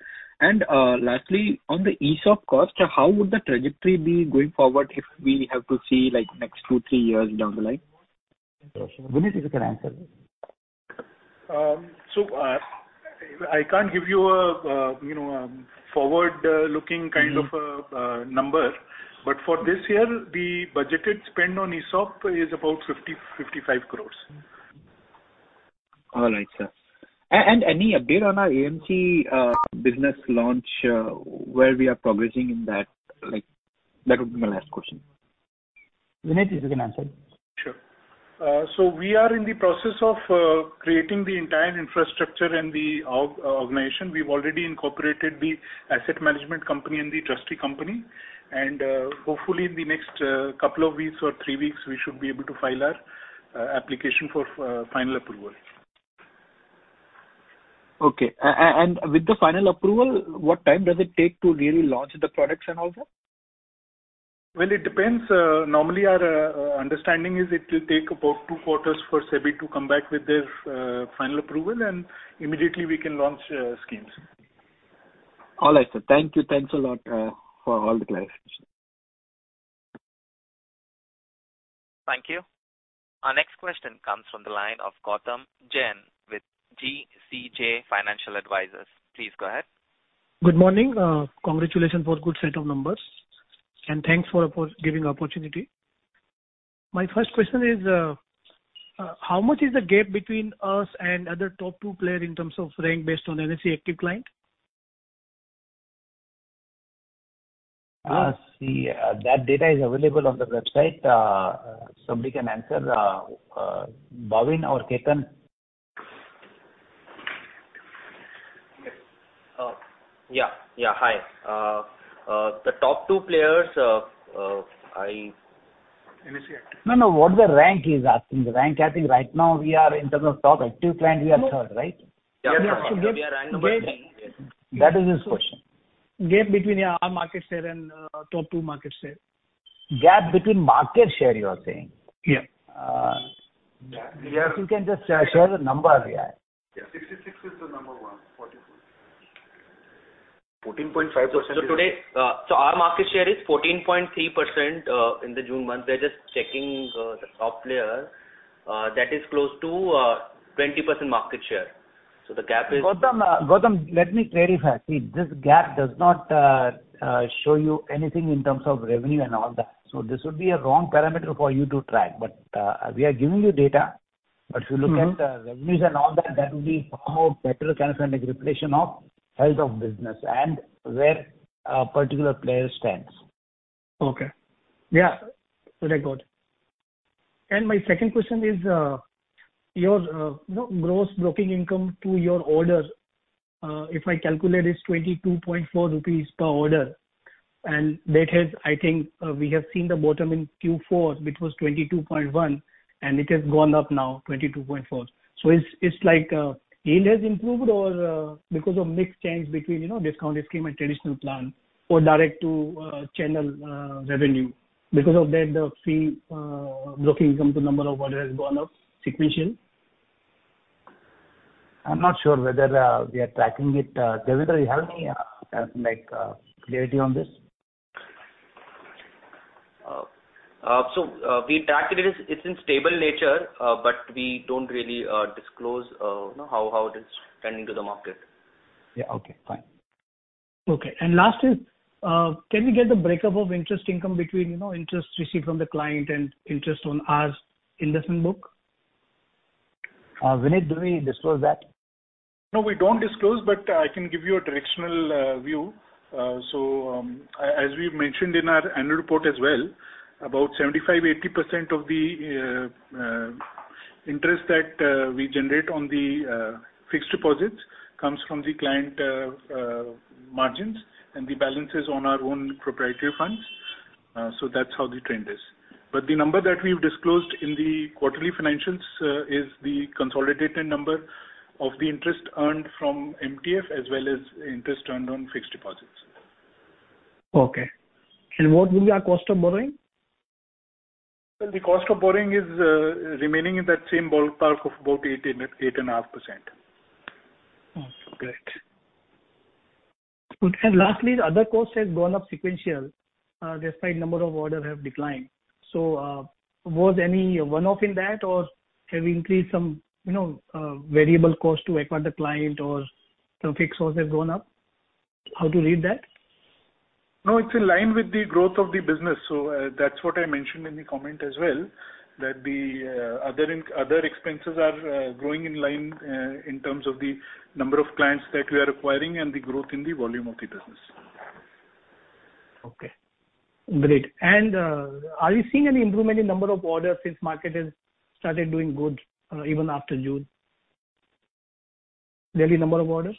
Lastly, on the ESOP cost, how would the trajectory be going forward if we have to see, like, next two, three years down the line? Vineet, if you can answer this. I can't give you know, forward-looking kind of number, but for this year, the budgeted spend on ESOP is about 55 crores. All right, sir. Any update on our AMC business launch, where we are progressing in that? Like, that would be my last question. Vineet, if you can answer. Sure. We are in the process of creating the entire infrastructure and the organization. We've already incorporated the asset management company and the trustee company, hopefully, in the next couple of weeks or three weeks, we should be able to file our application for final approval. Okay, and with the final approval, what time does it take to really launch the products and all that? It depends. Normally, our understanding is it will take about two quarters for SEBI to come back with their final approval. Immediately, we can launch schemes. All right, sir. Thank you. Thanks a lot for all the clarity. Thank you. Our next question comes from the line of Gautam Jain with GCJ Financial Advisors. Please go ahead. Good morning. Congratulations for good set of numbers, thanks for giving the opportunity. My first question is, how much is the gap between us and other top two player in terms of rank based on NSE active client? See, that data is available on the website. Somebody can answer, Bhavin or Ketan. Yeah, hi. The top two players. NSE active. No, no, what the rank he's asking. The rank, I think right now we are in terms of top active client, we are third, right? Yeah, we are rank number three. That is his question. Gap between our market share and top 2 market share. Gap between market share, you are saying? Yeah. If you can just share the numbers here. Yeah, 66 is the number 1, 44. 14.5%. Today, our market share is 14.3% in the June month. They're just checking, the top player, that is close to 20% market share. The gap is- Gautam, let me clarify. This gap does not show you anything in terms of revenue and all that. This would be a wrong parameter for you to track. We are giving you data. Mm-hmm. the revenues and all that will be more better kind of like representation of health of business and where a particular player stands. Okay. Yeah, very good. My second question is, your gross broking income to your order, if I calculate, is 22.4 rupees per order, and that has, I think, we have seen the bottom in Q4, which was 22.1, and it has gone up now, 22.4. It's like, yield has improved or, because of mix change between, you know, discounted scheme and traditional plan or direct to channel revenue. Because of that, the fee, broking income to number of order has gone up sequential. I'm not sure whether we are tracking it. Devender, you have any like clarity on this? We tracked it. It's in stable nature, but we don't really disclose, you know, how it is trending to the market. Yeah, okay. Fine. Okay. Last is, can we get the breakup of interest income between, you know, interest received from the client and interest on our investment book? Vineet, do we disclose that? No, we don't disclose, but I can give you a directional view. As we mentioned in our annual report as well, about 75%, 80% of the interest that we generate on the fixed deposits comes from the client margins and the balances on our own proprietary funds. That's how the trend is. The number that we've disclosed in the quarterly financials is the consolidated number of the interest earned from MTF, as well as interest earned on fixed deposits. Okay. What will be our cost of borrowing? Well, the cost of borrowing is remaining in that same ballpark of about 8.5%. Okay, great. Good. Lastly, the other cost has gone up sequential, despite number of orders have declined. Was any one-off in that, or have you increased some, you know, variable cost to acquire the client or some fixed costs have gone up? How to read that? No, it's in line with the growth of the business, that's what I mentioned in the comment as well, that the other expenses are growing in line in terms of the number of clients that we are acquiring and the growth in the volume of the business. Okay, great. Are you seeing any improvement in number of orders since market has started doing good, even after June? Daily number of orders.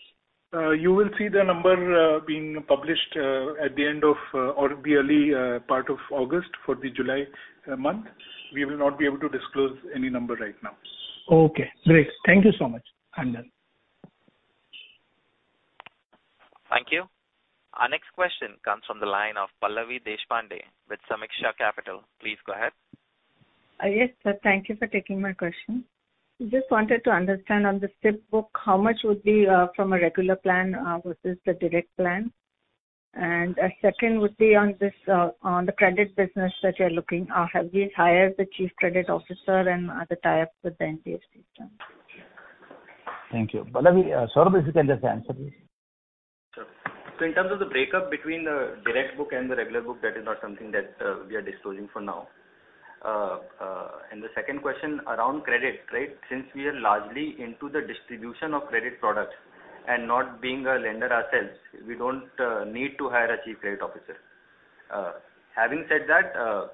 You will see the number being published at the end of or the early part of August for the July month. We will not be able to disclose any number right now. Okay, great. Thank you so much. I'm done. Thank you. Our next question comes from the line of Pallavi Deshpande with Sameeksha Capital. Please go ahead. Yes, sir. Thank you for taking my question. Just wanted to understand on the SIP book, how much would be from a regular plan versus the direct plan? Second would be on this on the credit business that you're looking. Have you hired the chief credit officer and other tie-ups with the NBFC system? Thank you. Pallavi, Saurabh, if you can just answer, please. Sure. In terms of the breakup between the direct book and the regular book, that we are disclosing for now. The second question around credit, right. Since we are largely into the distribution of credit products and not being a lender ourselves, we don't need to hire a chief credit officer. Having said that,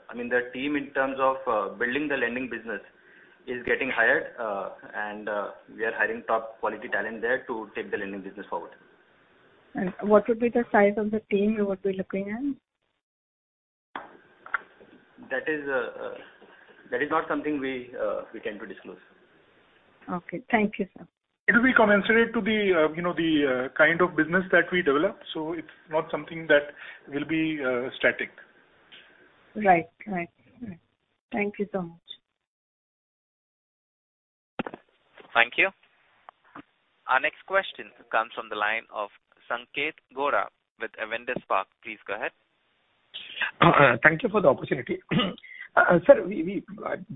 I mean, the team in terms of building the lending business is getting hired, and we are hiring top quality talent there to take the lending business forward. What would be the size of the team you would be looking at? That is not something we can to disclose. Okay. Thank you, sir. It will be commensurate to the, you know, the kind of business that we develop. It's not something that will be static. Right. Right. Right. Thank you so much. Thank you. Our next question comes from the line of Sanketh Godha with Avendus Spark. Please go ahead. Thank you for the opportunity. sir,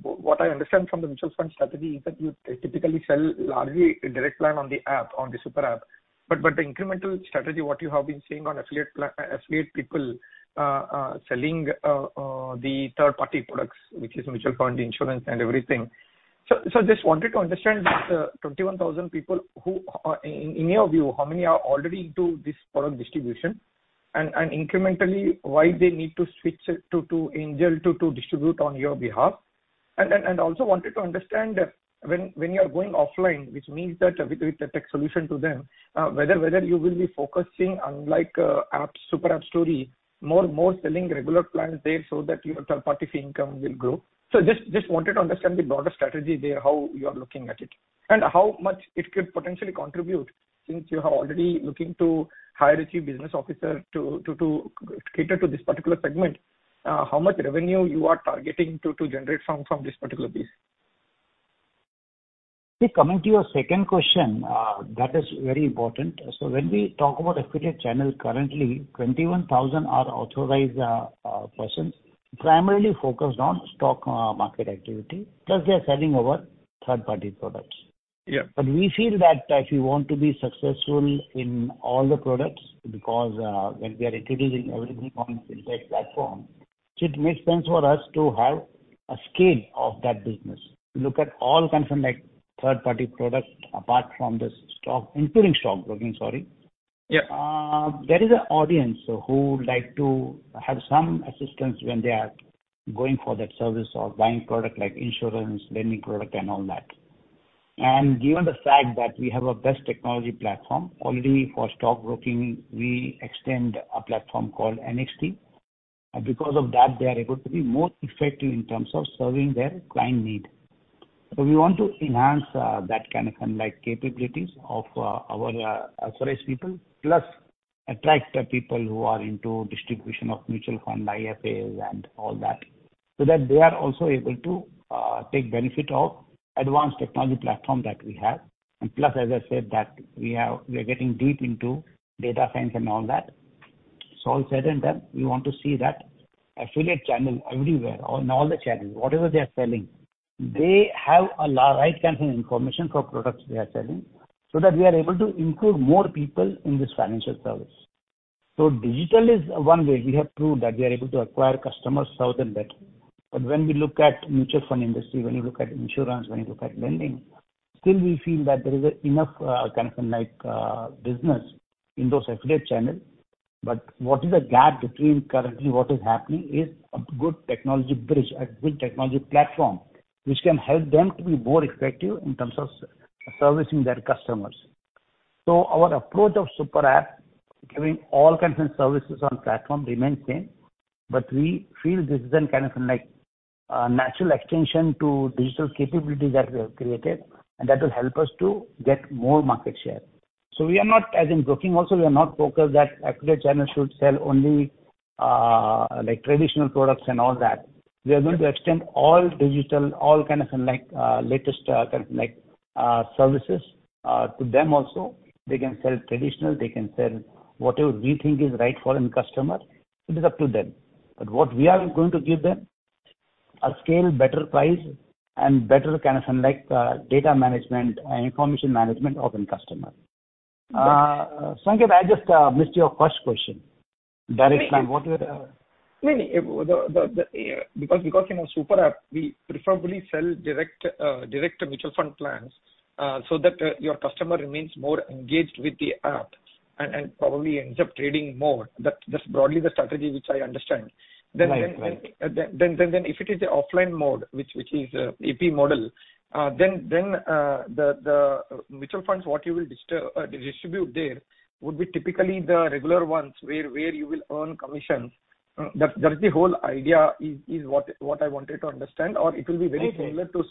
what I understand from the mutual fund strategy is that you typically sell largely a direct plan on the app, on the Super App. the incremental strategy, what you have been seeing on affiliate people selling the third-party products, which is mutual fund, insurance, and everything. just wanted to understand that 21,000 people who, in your view, how many are already into this product distribution? incrementally, why they need to switch it to Angel to distribute on your behalf? Also wanted to understand when you are going offline, which means that with the tech solution to them, whether you will be focusing unlike app, Super App story, more selling regular plans there so that your third-party fee income will grow. Just wanted to understand the broader strategy there, how you are looking at it, and how much it could potentially contribute since you are already looking to hire a Chief Business Officer to cater to this particular segment, how much revenue you are targeting to generate from this particular base? Coming to your second question, that is very important. When we talk about affiliate channel, currently 21,000 are Authorized Persons, primarily focused on stock market activity, plus they are selling our third-party products. Yeah. We feel that if you want to be successful in all the products, because, when we are introducing everything on inside platform, it makes sense for us to have a scale of that business. Look at all kinds of like third-party products, apart from this stock, including stockbroking, sorry. Yeah. There is an audience who would like to have some assistance when they are going for that service or buying product, like insurance, lending product and all that. Given the fact that we have a best technology platform already for stockbroking, we extend a platform called NXT, and because of that, they are able to be more effective in terms of serving their client need. We want to enhance that kind of like capabilities of our authorized people, plus attract the people who are into distribution of mutual fund, IFAs and all that, so that they are also able to take benefit of advanced technology platform that we have. Plus, as I said, that we are getting deep into data science and all that. All said and done, we want to see that affiliate channel everywhere, on all the channels, whatever they are selling, they have a right kind of information for products they are selling, so that we are able to include more people in this financial service. Digital is one way. We have proved that we are able to acquire customers 1,000 better. When we look at mutual fund industry, when you look at insurance, when you look at lending, still we feel that there is enough, kind of like, business in those affiliate channels. What is the gap between currently what is happening is a good technology bridge, a good technology platform, which can help them to be more effective in terms of servicing their customers. Our approach of Super App, giving all kinds of services on platform, remains same, but we feel this is a kind of like natural extension to digital capabilities that we have created, and that will help us to get more market share. We are not, as in broking also, we are not focused that affiliate channel should sell only like traditional products and all that. We are going to extend all digital, all kinds of like latest kind of like services to them also. They can sell traditional, they can sell whatever we think is right for end customer. It is up to them. What we are going to give them, a scale, better price and better kind of like data management and information management of end customer. Sanketh, I just missed your first question. Direct plan, what were the... No, the in a Super App, we preferably sell direct mutual fund plans so that your customer remains more engaged with the app and probably ends up trading more. That's broadly the strategy which I understand. Right. Right. then if it is the offline mode, which is AP model, then the mutual funds, what you will distribute there would be typically the regular ones, where you will earn commission. That's the whole idea is what I wanted to understand, or it will be very similar to-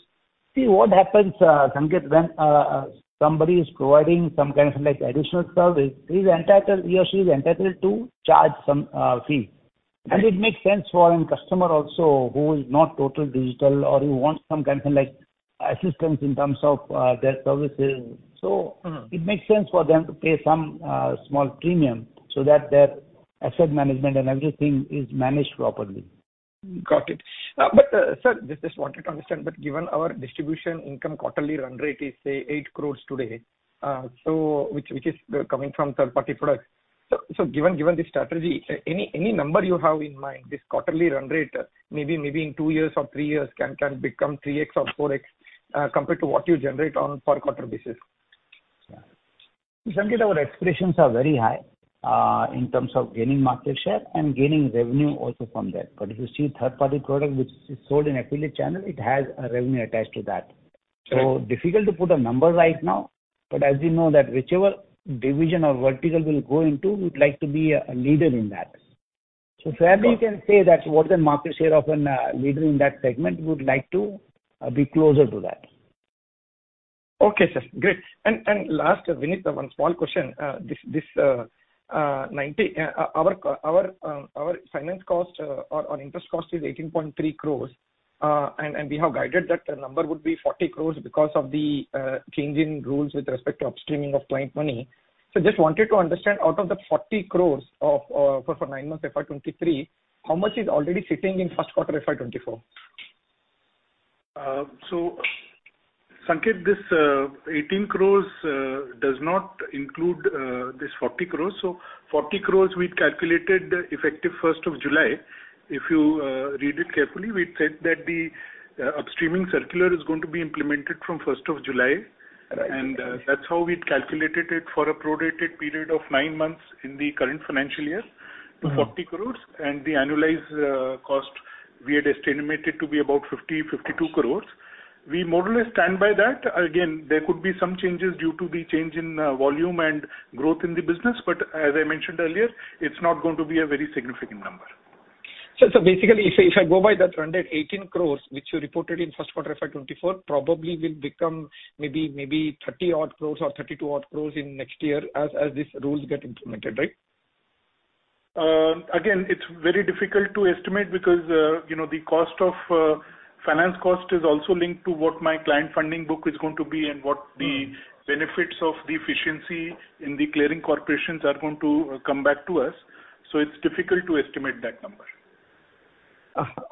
See what happens, Sanketh, when somebody is providing some kind of like additional service, he's entitled, he or she is entitled to charge some fee. It makes sense for a customer also who is not totally digital or who wants some kind of like assistance in terms of their services. Mm-hmm. It makes sense for them to pay some small premium so that their asset management and everything is managed properly. Got it. sir, just wanted to understand, given our distribution income quarterly run rate is, say, 8 crores today, which is coming from third party product. Given the strategy, any number you have in mind, this quarterly run rate, maybe in two years or three years, can become 3x or 4x, compared to what you generate on per quarter basis? Sanketh, our expectations are very high, in terms of gaining market share and gaining revenue also from that. If you see third-party product, which is sold in affiliate channel, it has a revenue attached to that. Sure. Difficult to put a number right now, but as you know, that whichever division or vertical we'll go into, we'd like to be a leader in that. Got it. Fairly, you can say that's what the market share of an leader in that segment, we would like to be closer to that. Okay, sir. Great. Last, Vineet, one small question. This, this 90, our finance cost, or our interest cost is 18.3 crores, and we have guided that the number would be 40 crores because of the change in rules with respect to upstreaming of client money. Just wanted to understand, out of the 40 crores for nine months, FY 2023, how much is already sitting in first quarter, FY 2024? Sanket, this 18 crores does not include this 40 crores. 40 crores, we'd calculated effective 1st of July. If you read it carefully, we said that the upstreaming circular is going to be implemented from 1st of July. Right. That's how we'd calculated it for a prorated period of nine months in the current financial year. Mm-hmm. - to 40 crores, and the annualized cost, we had estimated to be about 50-52 crores. We more or less stand by that. Again, there could be some changes due to the change in volume and growth in the business, but as I mentioned earlier, it's not going to be a very significant number. Basically, if I go by that run rate, 18 crores, which you reported in first quarter FY 2024, probably will become maybe 30 odd crores or 32 odd crores in next year as these rules get implemented, right? Again, it's very difficult to estimate because, you know, the cost of, finance cost is also linked to what my client funding book is going to be. Mm. benefits of the efficiency in the clearing corporations are going to come back to us. It's difficult to estimate that number.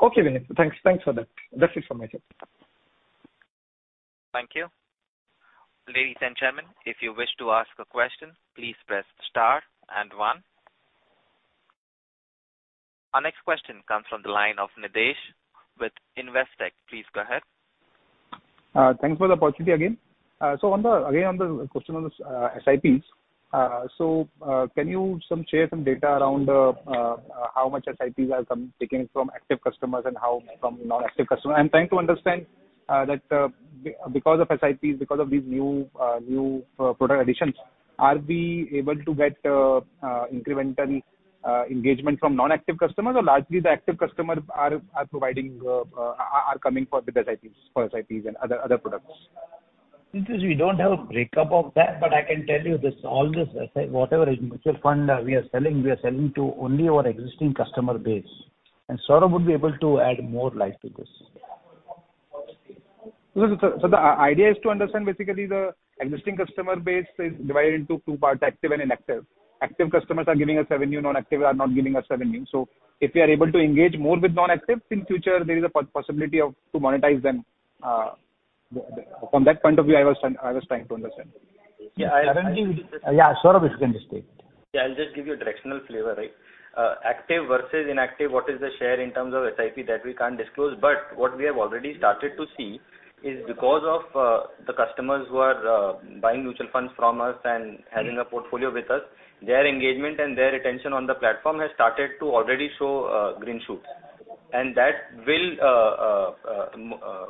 Okay, Vineet. Thanks for that. That's it from my side. Thank you. Ladies and gentlemen, if you wish to ask a question, please press star and one. Our next question comes from the line of Nidhesh with Investec. Please go ahead. Thanks for the opportunity again. On the, again, on the question on the SIPs, can you share some data around how much SIPs are taking from active customers and how from non-active customer? I'm trying to understand that because of SIPs, because of these new product additions, are we able to get incremental engagement from non-active customers, or largely the active customer are providing, are coming for the SIPs and other products? Nidhesh, we don't have a breakup of that, but I can tell you this, all this SIP, whatever mutual fund, we are selling, we are selling to only our existing customer base. Saurabh would be able to add more light to this. The idea is to understand basically the existing customer base is divided into two parts, active and inactive. Active customers are giving us revenue, non-active are not giving us revenue. If we are able to engage more with non-active, in future, there is a possibility of to monetize them. From that point of view, I was trying to understand. Yeah, Saurabh, you can just take it. Yeah, I'll just give you a directional flavor, right. Active versus inactive, what is the share in terms of SIP, that we can't disclose, but what we have already started to see is because of the customers who are buying mutual funds from us and having a portfolio with us, their engagement and their retention on the platform has started to already show green shoots. That will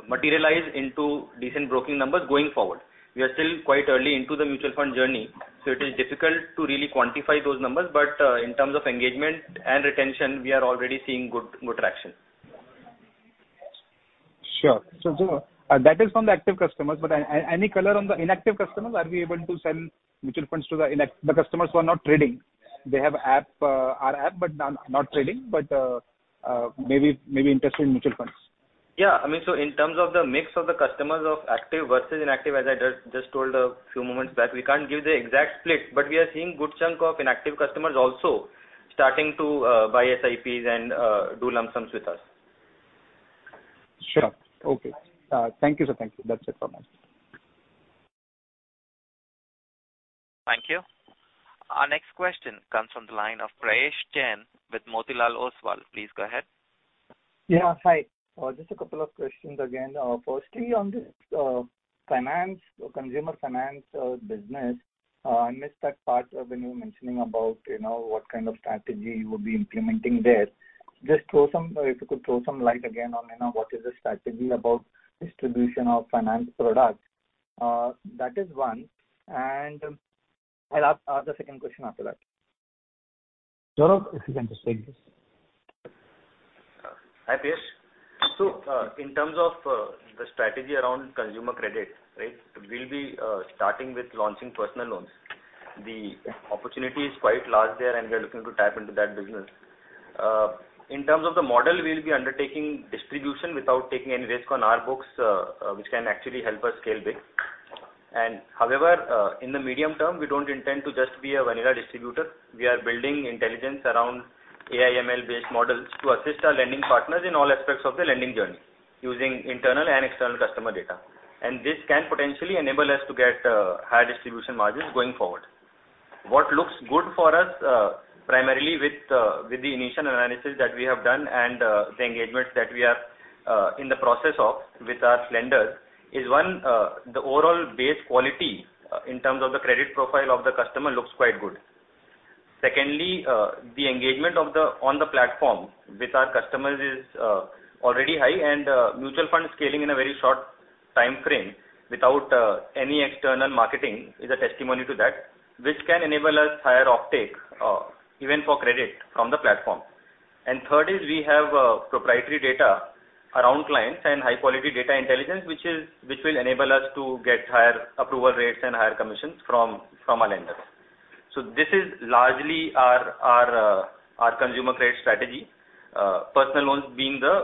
materialize into decent broking numbers going forward. We are still quite early into the mutual fund journey, so it is difficult to really quantify those numbers. In terms of engagement and retention, we are already seeing good traction. Sure. That is from the active customers, but any color on the inactive customers, are we able to sell mutual funds to the customers who are not trading? They have app, our app, but not trading, but maybe interested in mutual funds. Yeah, I mean, in terms of the mix of the customers of active versus inactive, as I just told a few moments back, we can't give the exact split, but we are seeing good chunk of inactive customers also starting to buy SIPs and do lump sums with us. Sure. Okay. Thank you, sir. Thank you. That's it from us. Thank you. Our next question comes from the line of Prayesh Jain with Motilal Oswal. Please go ahead. Yeah, hi. Just a couple of questions again. Firstly, on this finance, consumer finance business, I missed that part when you were mentioning about, you know, what kind of strategy you would be implementing there. If you could throw some light again on, you know, what is the strategy about distribution of finance products? That is one. I'll ask the second question after that. Saurabh, if you can just take this. Hi, Prayesh. In terms of the strategy around consumer credit, right? We'll be starting with launching personal loans. The opportunity is quite large there, and we are looking to tap into that business. In terms of the model, we will be undertaking distribution without taking any risk on our books, which can actually help us scale big. However, in the medium term, we don't intend to just be a vanilla distributor. We are building intelligence around AI/ML-based models to assist our lending partners in all aspects of the lending journey, using internal and external customer data. This can potentially enable us to get higher distribution margins going forward. What looks good for us, primarily with the initial analysis that we have done and the engagements that we are in the process of with our lenders, is one, the overall base quality in terms of the credit profile of the customer looks quite good. Secondly, the engagement on the platform with our customers is already high, mutual fund is scaling in a very short timeframe without any external marketing is a testimony to that, which can enable us higher uptake even for credit from the platform. Third is we have proprietary data around clients and high-quality data intelligence, which will enable us to get higher approval rates and higher commissions from our lenders. This is largely our consumer credit strategy. Personal loans being the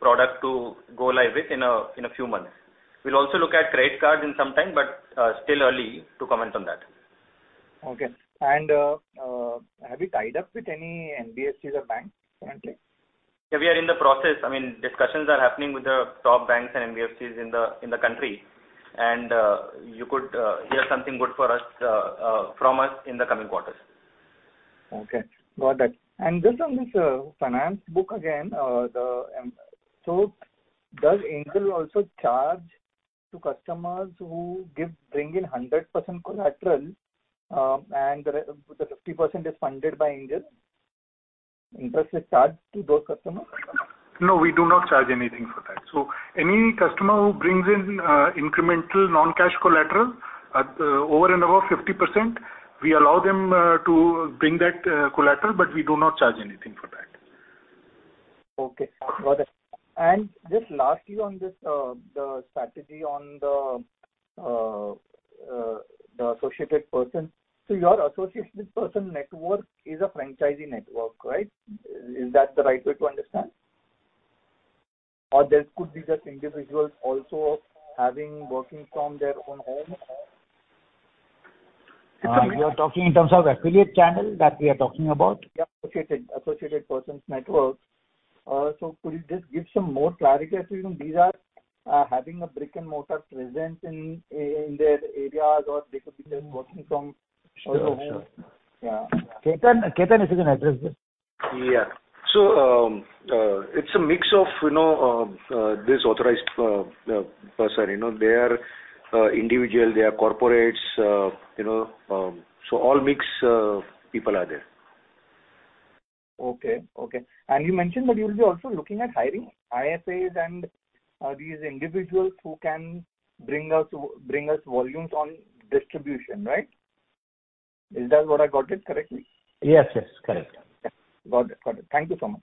product to go live with in a few months. We'll also look at credit cards in some time, but still early to comment on that. Okay. Have you tied up with any NBFCs or banks currently? Yeah, we are in the process. I mean, discussions are happening with the top banks and NBFCs in the country, and you could hear something good for us from us in the coming quarters. Okay, got that. Just on this finance book again, does Angel also charge to customers who bring in 100% collateral, and the 50% is funded by Angel? Interest is charged to those customers? We do not charge anything for that. Any customer who brings in incremental non-cash collateral, at over and above 50%, we allow them to bring that collateral, but we do not charge anything for that. Okay, got it. Just lastly on this, the strategy on the associated person. Your associated person network is a franchisee network, right? Is that the right way to understand? There could be just individuals also having working from their own home? You are talking in terms of affiliate channel that we are talking about? Yeah, associated persons network. Could you just give some more clarity as to these are having a brick-and-mortar presence in their areas, or they could be just working from home? Sure. Sure. Yeah. Ketan, if you can address this. Yeah. It's a mix of, you know, this Authorised Person, you know, they are individual, they are corporates, you know, all mix people are there. Okay, okay. You mentioned that you'll be also looking at hiring IFAs and these individuals who can bring us volumes on distribution, right? Is that what I got it correctly? Yes, yes, correct. Got it. Got it. Thank you so much.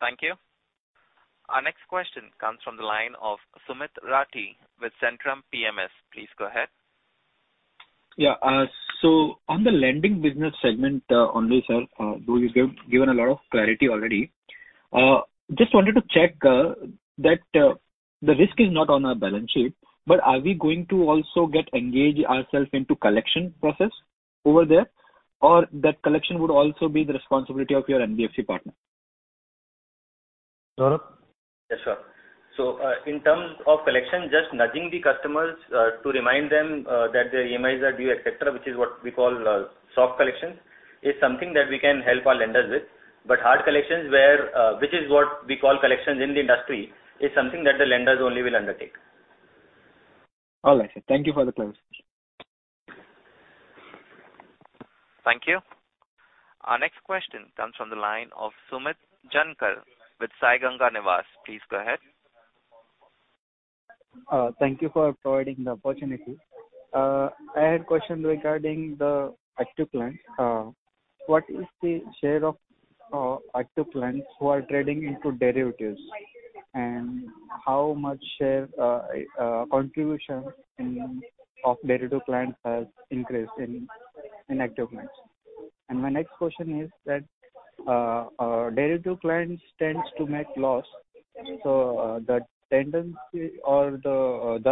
Thank you. Our next question comes from the line of Sumit Rathi with Centrum PMS. Please go ahead. On the lending business segment, only, sir, though you've given a lot of clarity already. Just wanted to check, that, the risk is not on our balance sheet, but are we going to also get engage ourself into collection process over there? Or that collection would also be the responsibility of your NBFC partner? Saurabh? Yes, sir. In terms of collection, just nudging the customers to remind them that their EMIs are due, et cetera, which is what we call soft collections, is something that we can help our lenders with. Hard collections, where, which is what we call collections in the industry, is something that the lenders only will undertake. All right, sir. Thank you for the clarity. Thank you. Our next question comes from the line of Sumit Jankar with Sai Ganga Niwas. Please go ahead. Thank you for providing the opportunity. I had a question regarding the active clients. What is the share of active clients who are trading into derivatives? How much share contribution of derivative clients has increased in active clients? My next question is that derivative clients tends to make loss, the tendency or the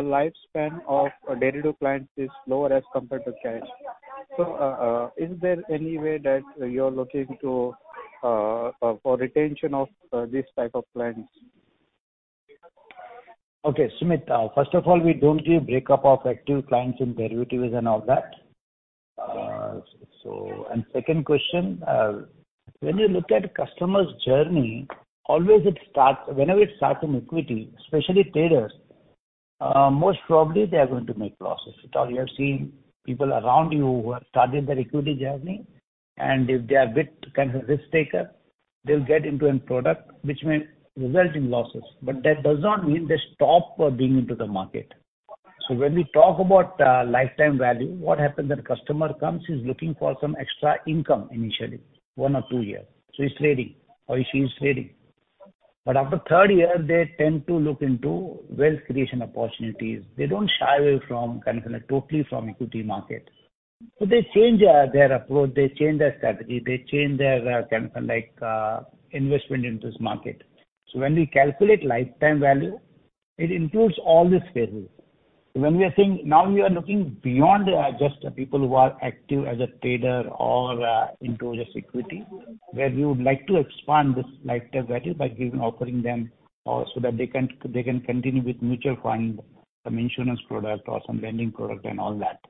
lifespan of derivative clients is lower as compared to cash. Is there any way that you're looking to for retention of these type of clients? Okay, Sumit, first of all, we don't give breakup of active clients in derivatives and all that. Second question, when you look at customers' journey, always whenever it starts in equity, especially traders, most probably they are going to make losses at all. You have seen people around you who have started their equity journey, and if they are bit kind of a risk taker, they'll get into a product which may result in losses, but that does not mean they stop being into the market. When we talk about lifetime value, what happens when a customer comes, he's looking for some extra income initially, one or two years. He's trading, or she's trading. After 3rd year, they tend to look into wealth creation opportunities. They don't shy away from, kind of, totally from equity market. They change their approach, they change their strategy, they change their investment into this market. When we calculate lifetime value, it includes all these phases. When we are saying now we are looking beyond just the people who are active as a trader or into just equity, where we would like to expand this lifetime value by offering them so that they can continue with mutual fund, some insurance product or some lending product and all that.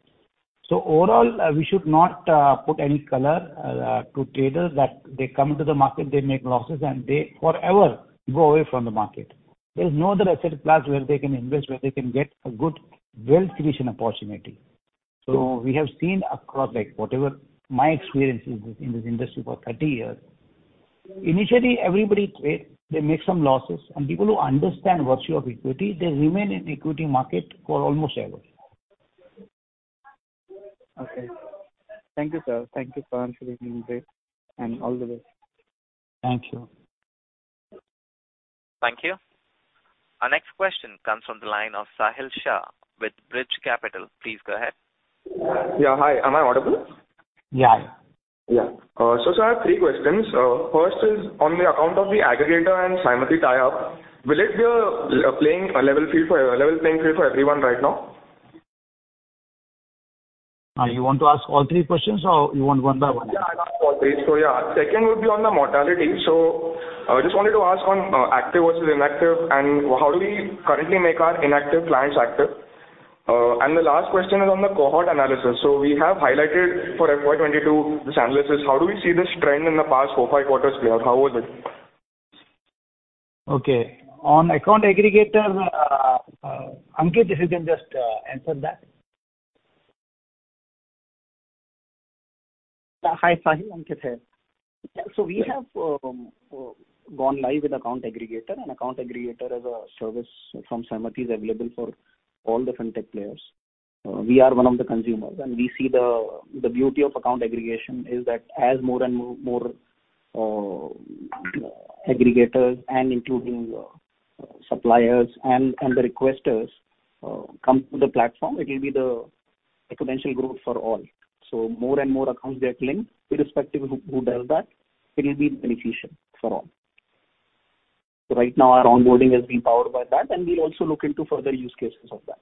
Overall, we should not put any color to traders, that they come to the market, they make losses, and they forever go away from the market. There is no other asset class where they can invest, where they can get a good wealth creation opportunity. We have seen across, like, whatever my experience in this, in this industry for 30 years, initially, everybody trade, they make some losses, and people who understand virtue of equity, they remain in equity market for almost ever. Okay. Thank you, sir. Thank you for answering and all the best. Thank you. Thank you. Our next question comes from the line of Sahil Shah with Brij Capital. Please go ahead. Yeah, hi. Am I audible? Yeah. Yeah. Sir, I have three questions. First is on the account of the aggregator and CAMS tie-up, will it be a level playing field for everyone right now? You want to ask all three questions, or you want one by one? Yeah, I'll ask all three. Yeah, second would be on the mortality. I just wanted to ask on active versus inactive, and how do we currently make our inactive clients active? The last question is on the cohort analysis. We have highlighted for FY22, this analysis. How do we see this trend in the past four, five quarters play out? How was it? Okay. On account aggregator, Ankit, if you can just answer that. Hi, Sahil. Ankit here. We have gone live with account aggregator. An account aggregator is a service from Symity, is available for all the fintech players. We are one of the consumers, and we see the beauty of account aggregation is that as more and more aggregators and including suppliers and the requesters come to the platform, it will be the exponential growth for all. More and more accounts get linked, irrespective of who does that, it will be beneficial for all. Right now, our onboarding is being powered by that, and we'll also look into further use cases of that.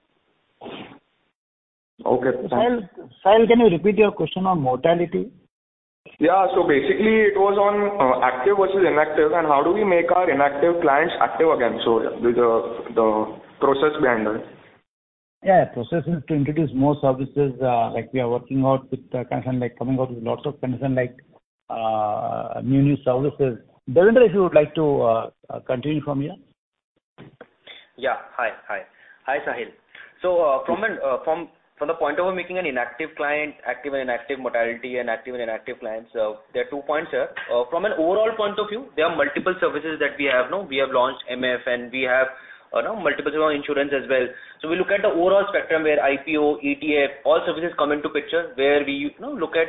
Okay, thank you. Sahil, can you repeat your question on mortality? Yeah. Basically, it was on active versus inactive, and how do we make our inactive clients active again? The process behind that. Yeah, process is to introduce more services, like we are working out with, kind of like coming out with lots of things like new services. Devender, if you would like to continue from here. Yeah. Hi, hi. Hi, Sahil. From the point of view, making an inactive client active and inactive mortality and active and inactive clients, there are two points here. From an overall point of view, there are multiple services that we have, no? We have launched MF, and we have multiple insurance as well. We look at the overall spectrum, where IPO, ETF, all services come into picture, where we, you know, look at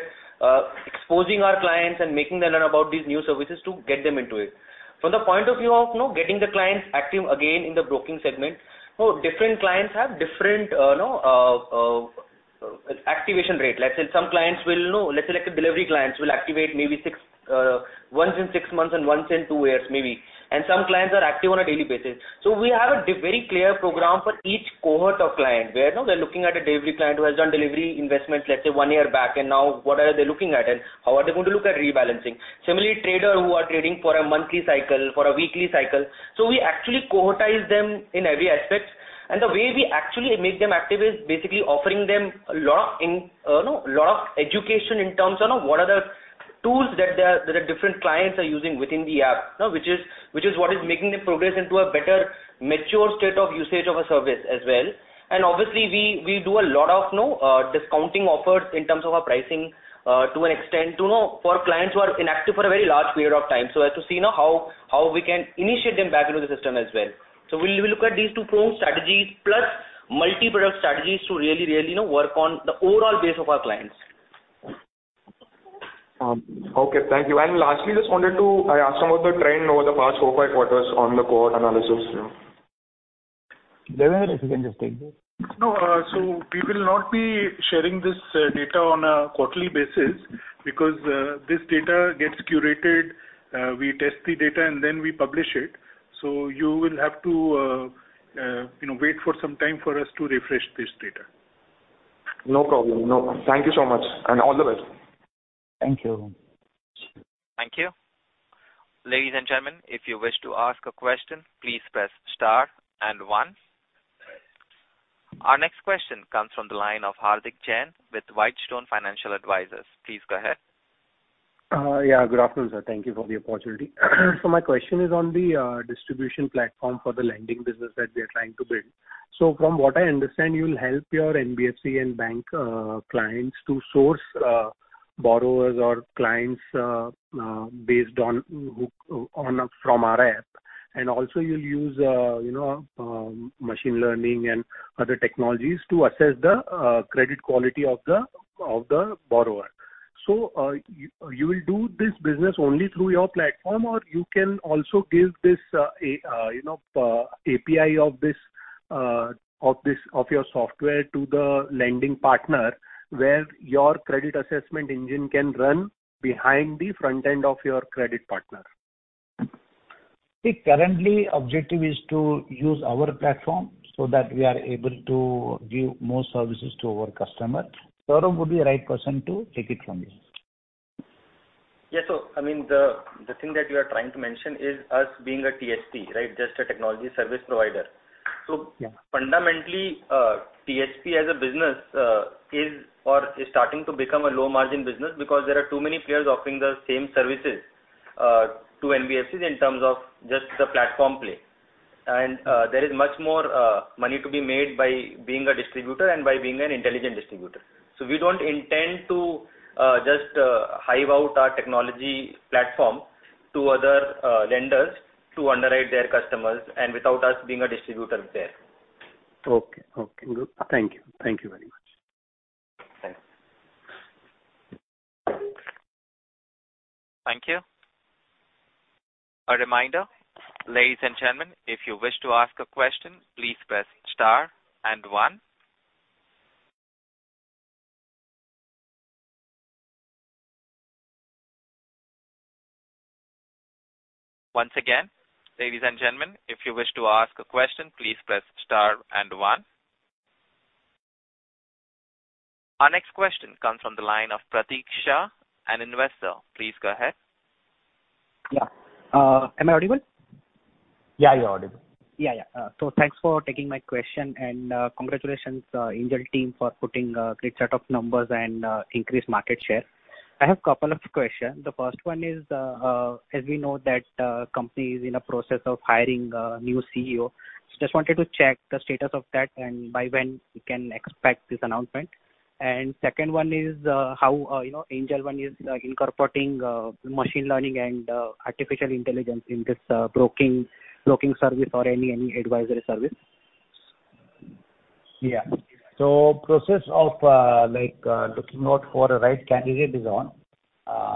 exposing our clients and making them learn about these new services to get them into it. From the point of view of, you know, getting the clients active again in the broking segment, different clients have different, you know, activation rate. Let's say some clients will, you know... Let's say, like a delivery clients, will activate maybe six, once in six months and once in two years, maybe. Some clients are active on a daily basis. We have a very clear program for each cohort of clients, where, you know, they're looking at a delivery client who has done delivery investments, let's say, one year back, and now what are they looking at, and how are they going to look at rebalancing? Similarly, trader who are trading for a monthly cycle, for a weekly cycle, so we actually cohortize them in every aspect. The way we actually make them active is basically offering them a lot of in, you know, a lot of education in terms of what are the tools that the different clients are using within the app. Which is what is making them progress into a better, mature state of usage of a service as well. Obviously, we do a lot of, you know, discounting offers in terms of our pricing, to an extent, for clients who are inactive for a very large period of time. As to see, you know, how we can initiate them back into the system as well. We look at these two pro strategies, plus multi-product strategies to really, you know, work on the overall base of our clients. Okay, thank you. Lastly, just wanted to ask about the trend over the past four, five quarters on the cohort analysis. Devender, if you can just take this. We will not be sharing this data on a quarterly basis, because this data gets curated, we test the data and then we publish it. You will have to, you know, wait for some time for us to refresh this data. No problem, no. Thank you so much, and all the best. Thank you. Thank you. Ladies and gentlemen, if you wish to ask a question, please press star and one. Our next question comes from the line of Hardik Jain with Whitestone Financial Advisors. Please go ahead. Good afternoon, sir. Thank you for the opportunity. My question is on the distribution platform for the lending business that we are trying to build. From what I understand, you'll help your NBFC and bank clients to source borrowers or clients based on from our app. Also you'll use, you know, machine learning and other technologies to assess the credit quality of the borrower. You will do this business only through your platform, or you can also give this, you know, API of this of your software to the lending partner, where your credit assessment engine can run behind the front end of your credit partner? Currently, objective is to use our platform so that we are able to give more services to our customer. Saurabh would be the right person to take it from here. Yes, I mean, the thing that you are trying to mention is us being a TSP, right? Just a technology service provider. Yeah. Fundamentally, TSP as a business, is or is starting to become a low margin business because there are too many players offering the same services to NBFCs in terms of just the platform play. There is much more money to be made by being a distributor and by being an intelligent distributor. We don't intend to just hive out our technology platform to other lenders to underwrite their customers and without us being a distributor there. Okay. Good. Thank you. Thank you very much. Thanks. Thank you. A reminder, ladies and gentlemen, if you wish to ask a question, please press star and one. Once again, ladies and gentlemen, if you wish to ask a question, please press star and one. Our next question comes from the line of Pratik Shah, an investor. Please go ahead. Yeah. Am I audible? Yeah, you're audible. Yeah, yeah. Thanks for taking my question, and congratulations, Angel team for putting a great set of numbers and increased market share. I have a couple of questions. The first one is, as we know that the company is in a process of hiring a new CEO, just wanted to check the status of that and by when we can expect this announcement. Second one is, how, you know, Angel One is incorporating machine learning and artificial intelligence in this broking service or any advisory service? Process of looking out for a right candidate is on.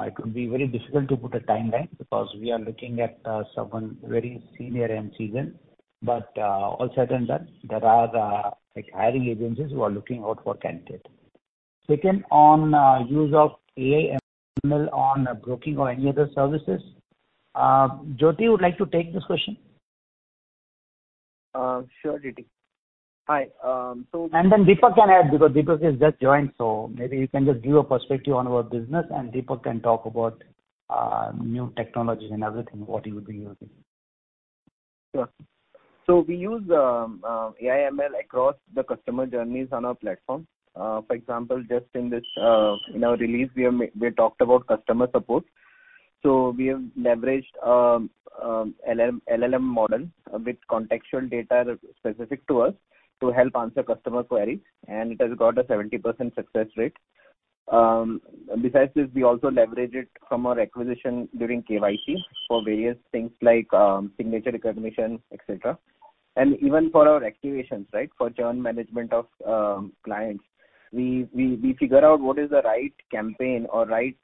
It would be very difficult to put a timeline because we are looking at someone very senior and seasoned, but all said and done, there are the hiring agencies who are looking out for candidate. Second on use of AI, ML on broking or any other services, Jyoti, would like to take this question? sure, DT. Hi. Deepak can add, because Deepak has just joined, so maybe you can just give a perspective on our business, and Deepak can talk about, new technologies and everything, what he would be using. Sure. We use AI ML across the customer journeys on our platform. For example, just in this, in our release, we talked about customer support. We have leveraged LLM model with contextual data specific to us to help answer customer queries, and it has got a 70% success rate. Besides this, we also leverage it from our acquisition during KYC for various things like signature recognition, et cetera. Even for our activations, right? For churn management of clients, we figure out what is the right campaign or right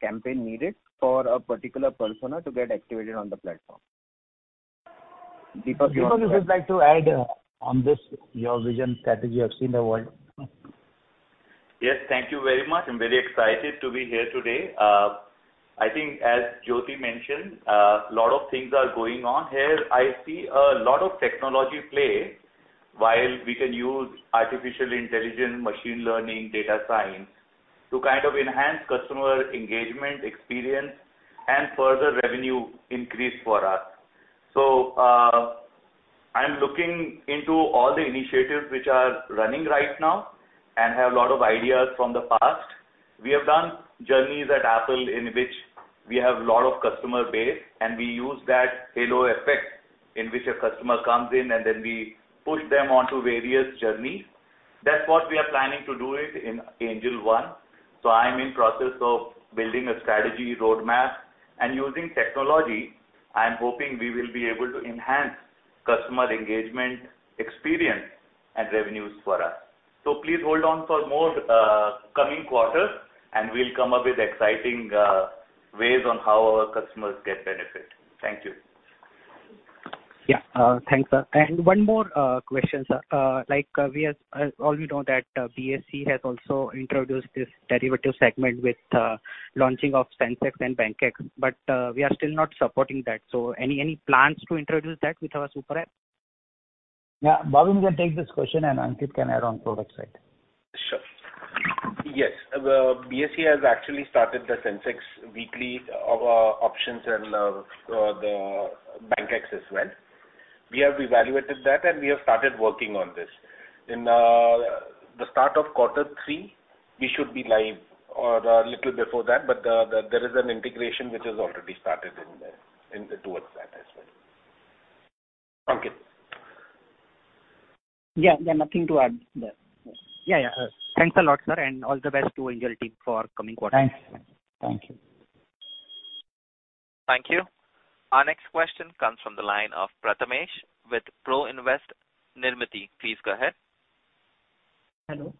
campaign needed for a particular persona to get activated on the platform. Deepak, you want to. Deepak, if you'd like to add on this, your vision, strategy of seeing the world. Yes, thank you very much. I'm very excited to be here today. I think as Jyoti mentioned, a lot of things are going on here. I see a lot of technology play, while we can use artificial intelligence, machine learning, data science, to kind of enhance customer engagement, experience, and further revenue increase for us. I'm looking into all the initiatives which are running right now and have a lot of ideas from the past. We have done journeys at Apple, in which we have a lot of customer base, and we use that halo effect, in which a customer comes in and then we push them on to various journeys. That's what we are planning to do it in Angel One. I'm in process of building a strategy roadmap and using technology, I'm hoping we will be able to enhance customer engagement, experience, and revenues for us. Please hold on for more coming quarters, and we'll come up with exciting ways on how our customers get benefit. Thank you. Yeah, thanks, sir. One more question, sir. Like, all we know that BSE has also introduced this derivative segment with the launching of Sensex and BANKEX, but we are still not supporting that. Any plans to introduce that with our Super App? Yeah. Bhavin can take this question, and Ankit can add on product side. Sure. Yes, the BSE has actually started the Sensex weekly options and the BANKEX as well. We have evaluated that, and we have started working on this. In the start of quarter three, we should be live or a little before that. There is an integration which is already started in there, in towards that as well. Ankit? Yeah, yeah, nothing to add there. Yeah, yeah. Thanks a lot, sir, and all the best to Angel team for coming quarter. Thanks. Thank you. Thank you. Our next question comes from the line of Prathamesh with Pro Invest Nirmiti. Please go ahead. Hello.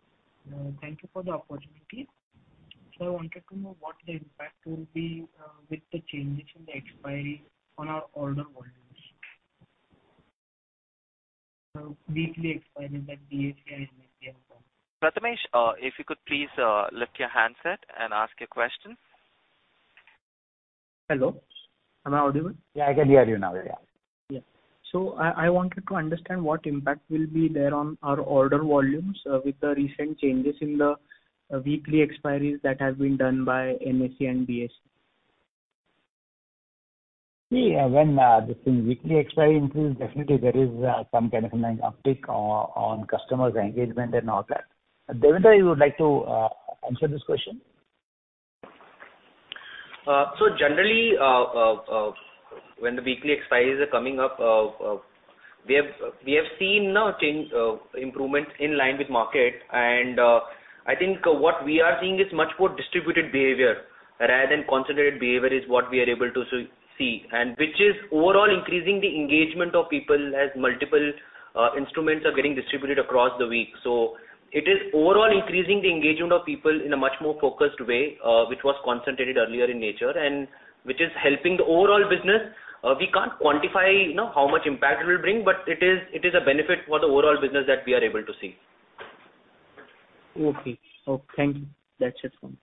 Thank you for the opportunity. I wanted to know what the impact will be with the changes in the expiry on our order volumes. Weekly expiry like BSE and NSE. Prathamesh, if you could please, lift your handset and ask your question. Hello, am I audible? Yeah, I can hear you now. Yeah. Yeah. I wanted to understand what impact will be there on our order volumes, with the recent changes in the weekly expiries that have been done by NSE and BSE. When this thing, weekly expiry increases, definitely there is some kind of an uptick on customers engagement and all that. Devender, you would like to answer this question? Generally, when the weekly expiries are coming up, we have seen no change, improvements in line with market. I think what we are seeing is much more distributed behavior rather than concentrated behavior, is what we are able to see, and which is overall increasing the engagement of people as multiple instruments are getting distributed across the week. It is overall increasing the engagement of people in a much more focused way, which was concentrated earlier in nature and which is helping the overall business. We can't quantify, you know, how much impact it will bring, but it is a benefit for the overall business that we are able to see. Okay. Oh, thank you. That's just one.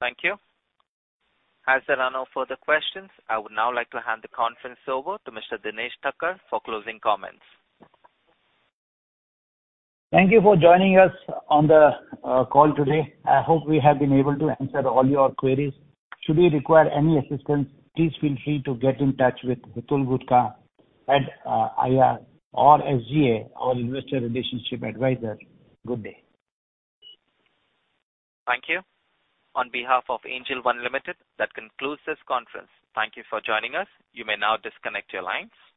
Thank you. As there are no further questions, I would now like to hand the conference over to Mr. Dinesh Thakkar for closing comments. Thank you for joining us on the call today. I hope we have been able to answer all your queries. Should you require any assistance, please feel free to get in touch with Hitul Gutka at IR or SGA, our investor relationship advisor. Good day. Thank you. On behalf of Angel One, that concludes this conference. Thank you for joining us. You may now disconnect your lines.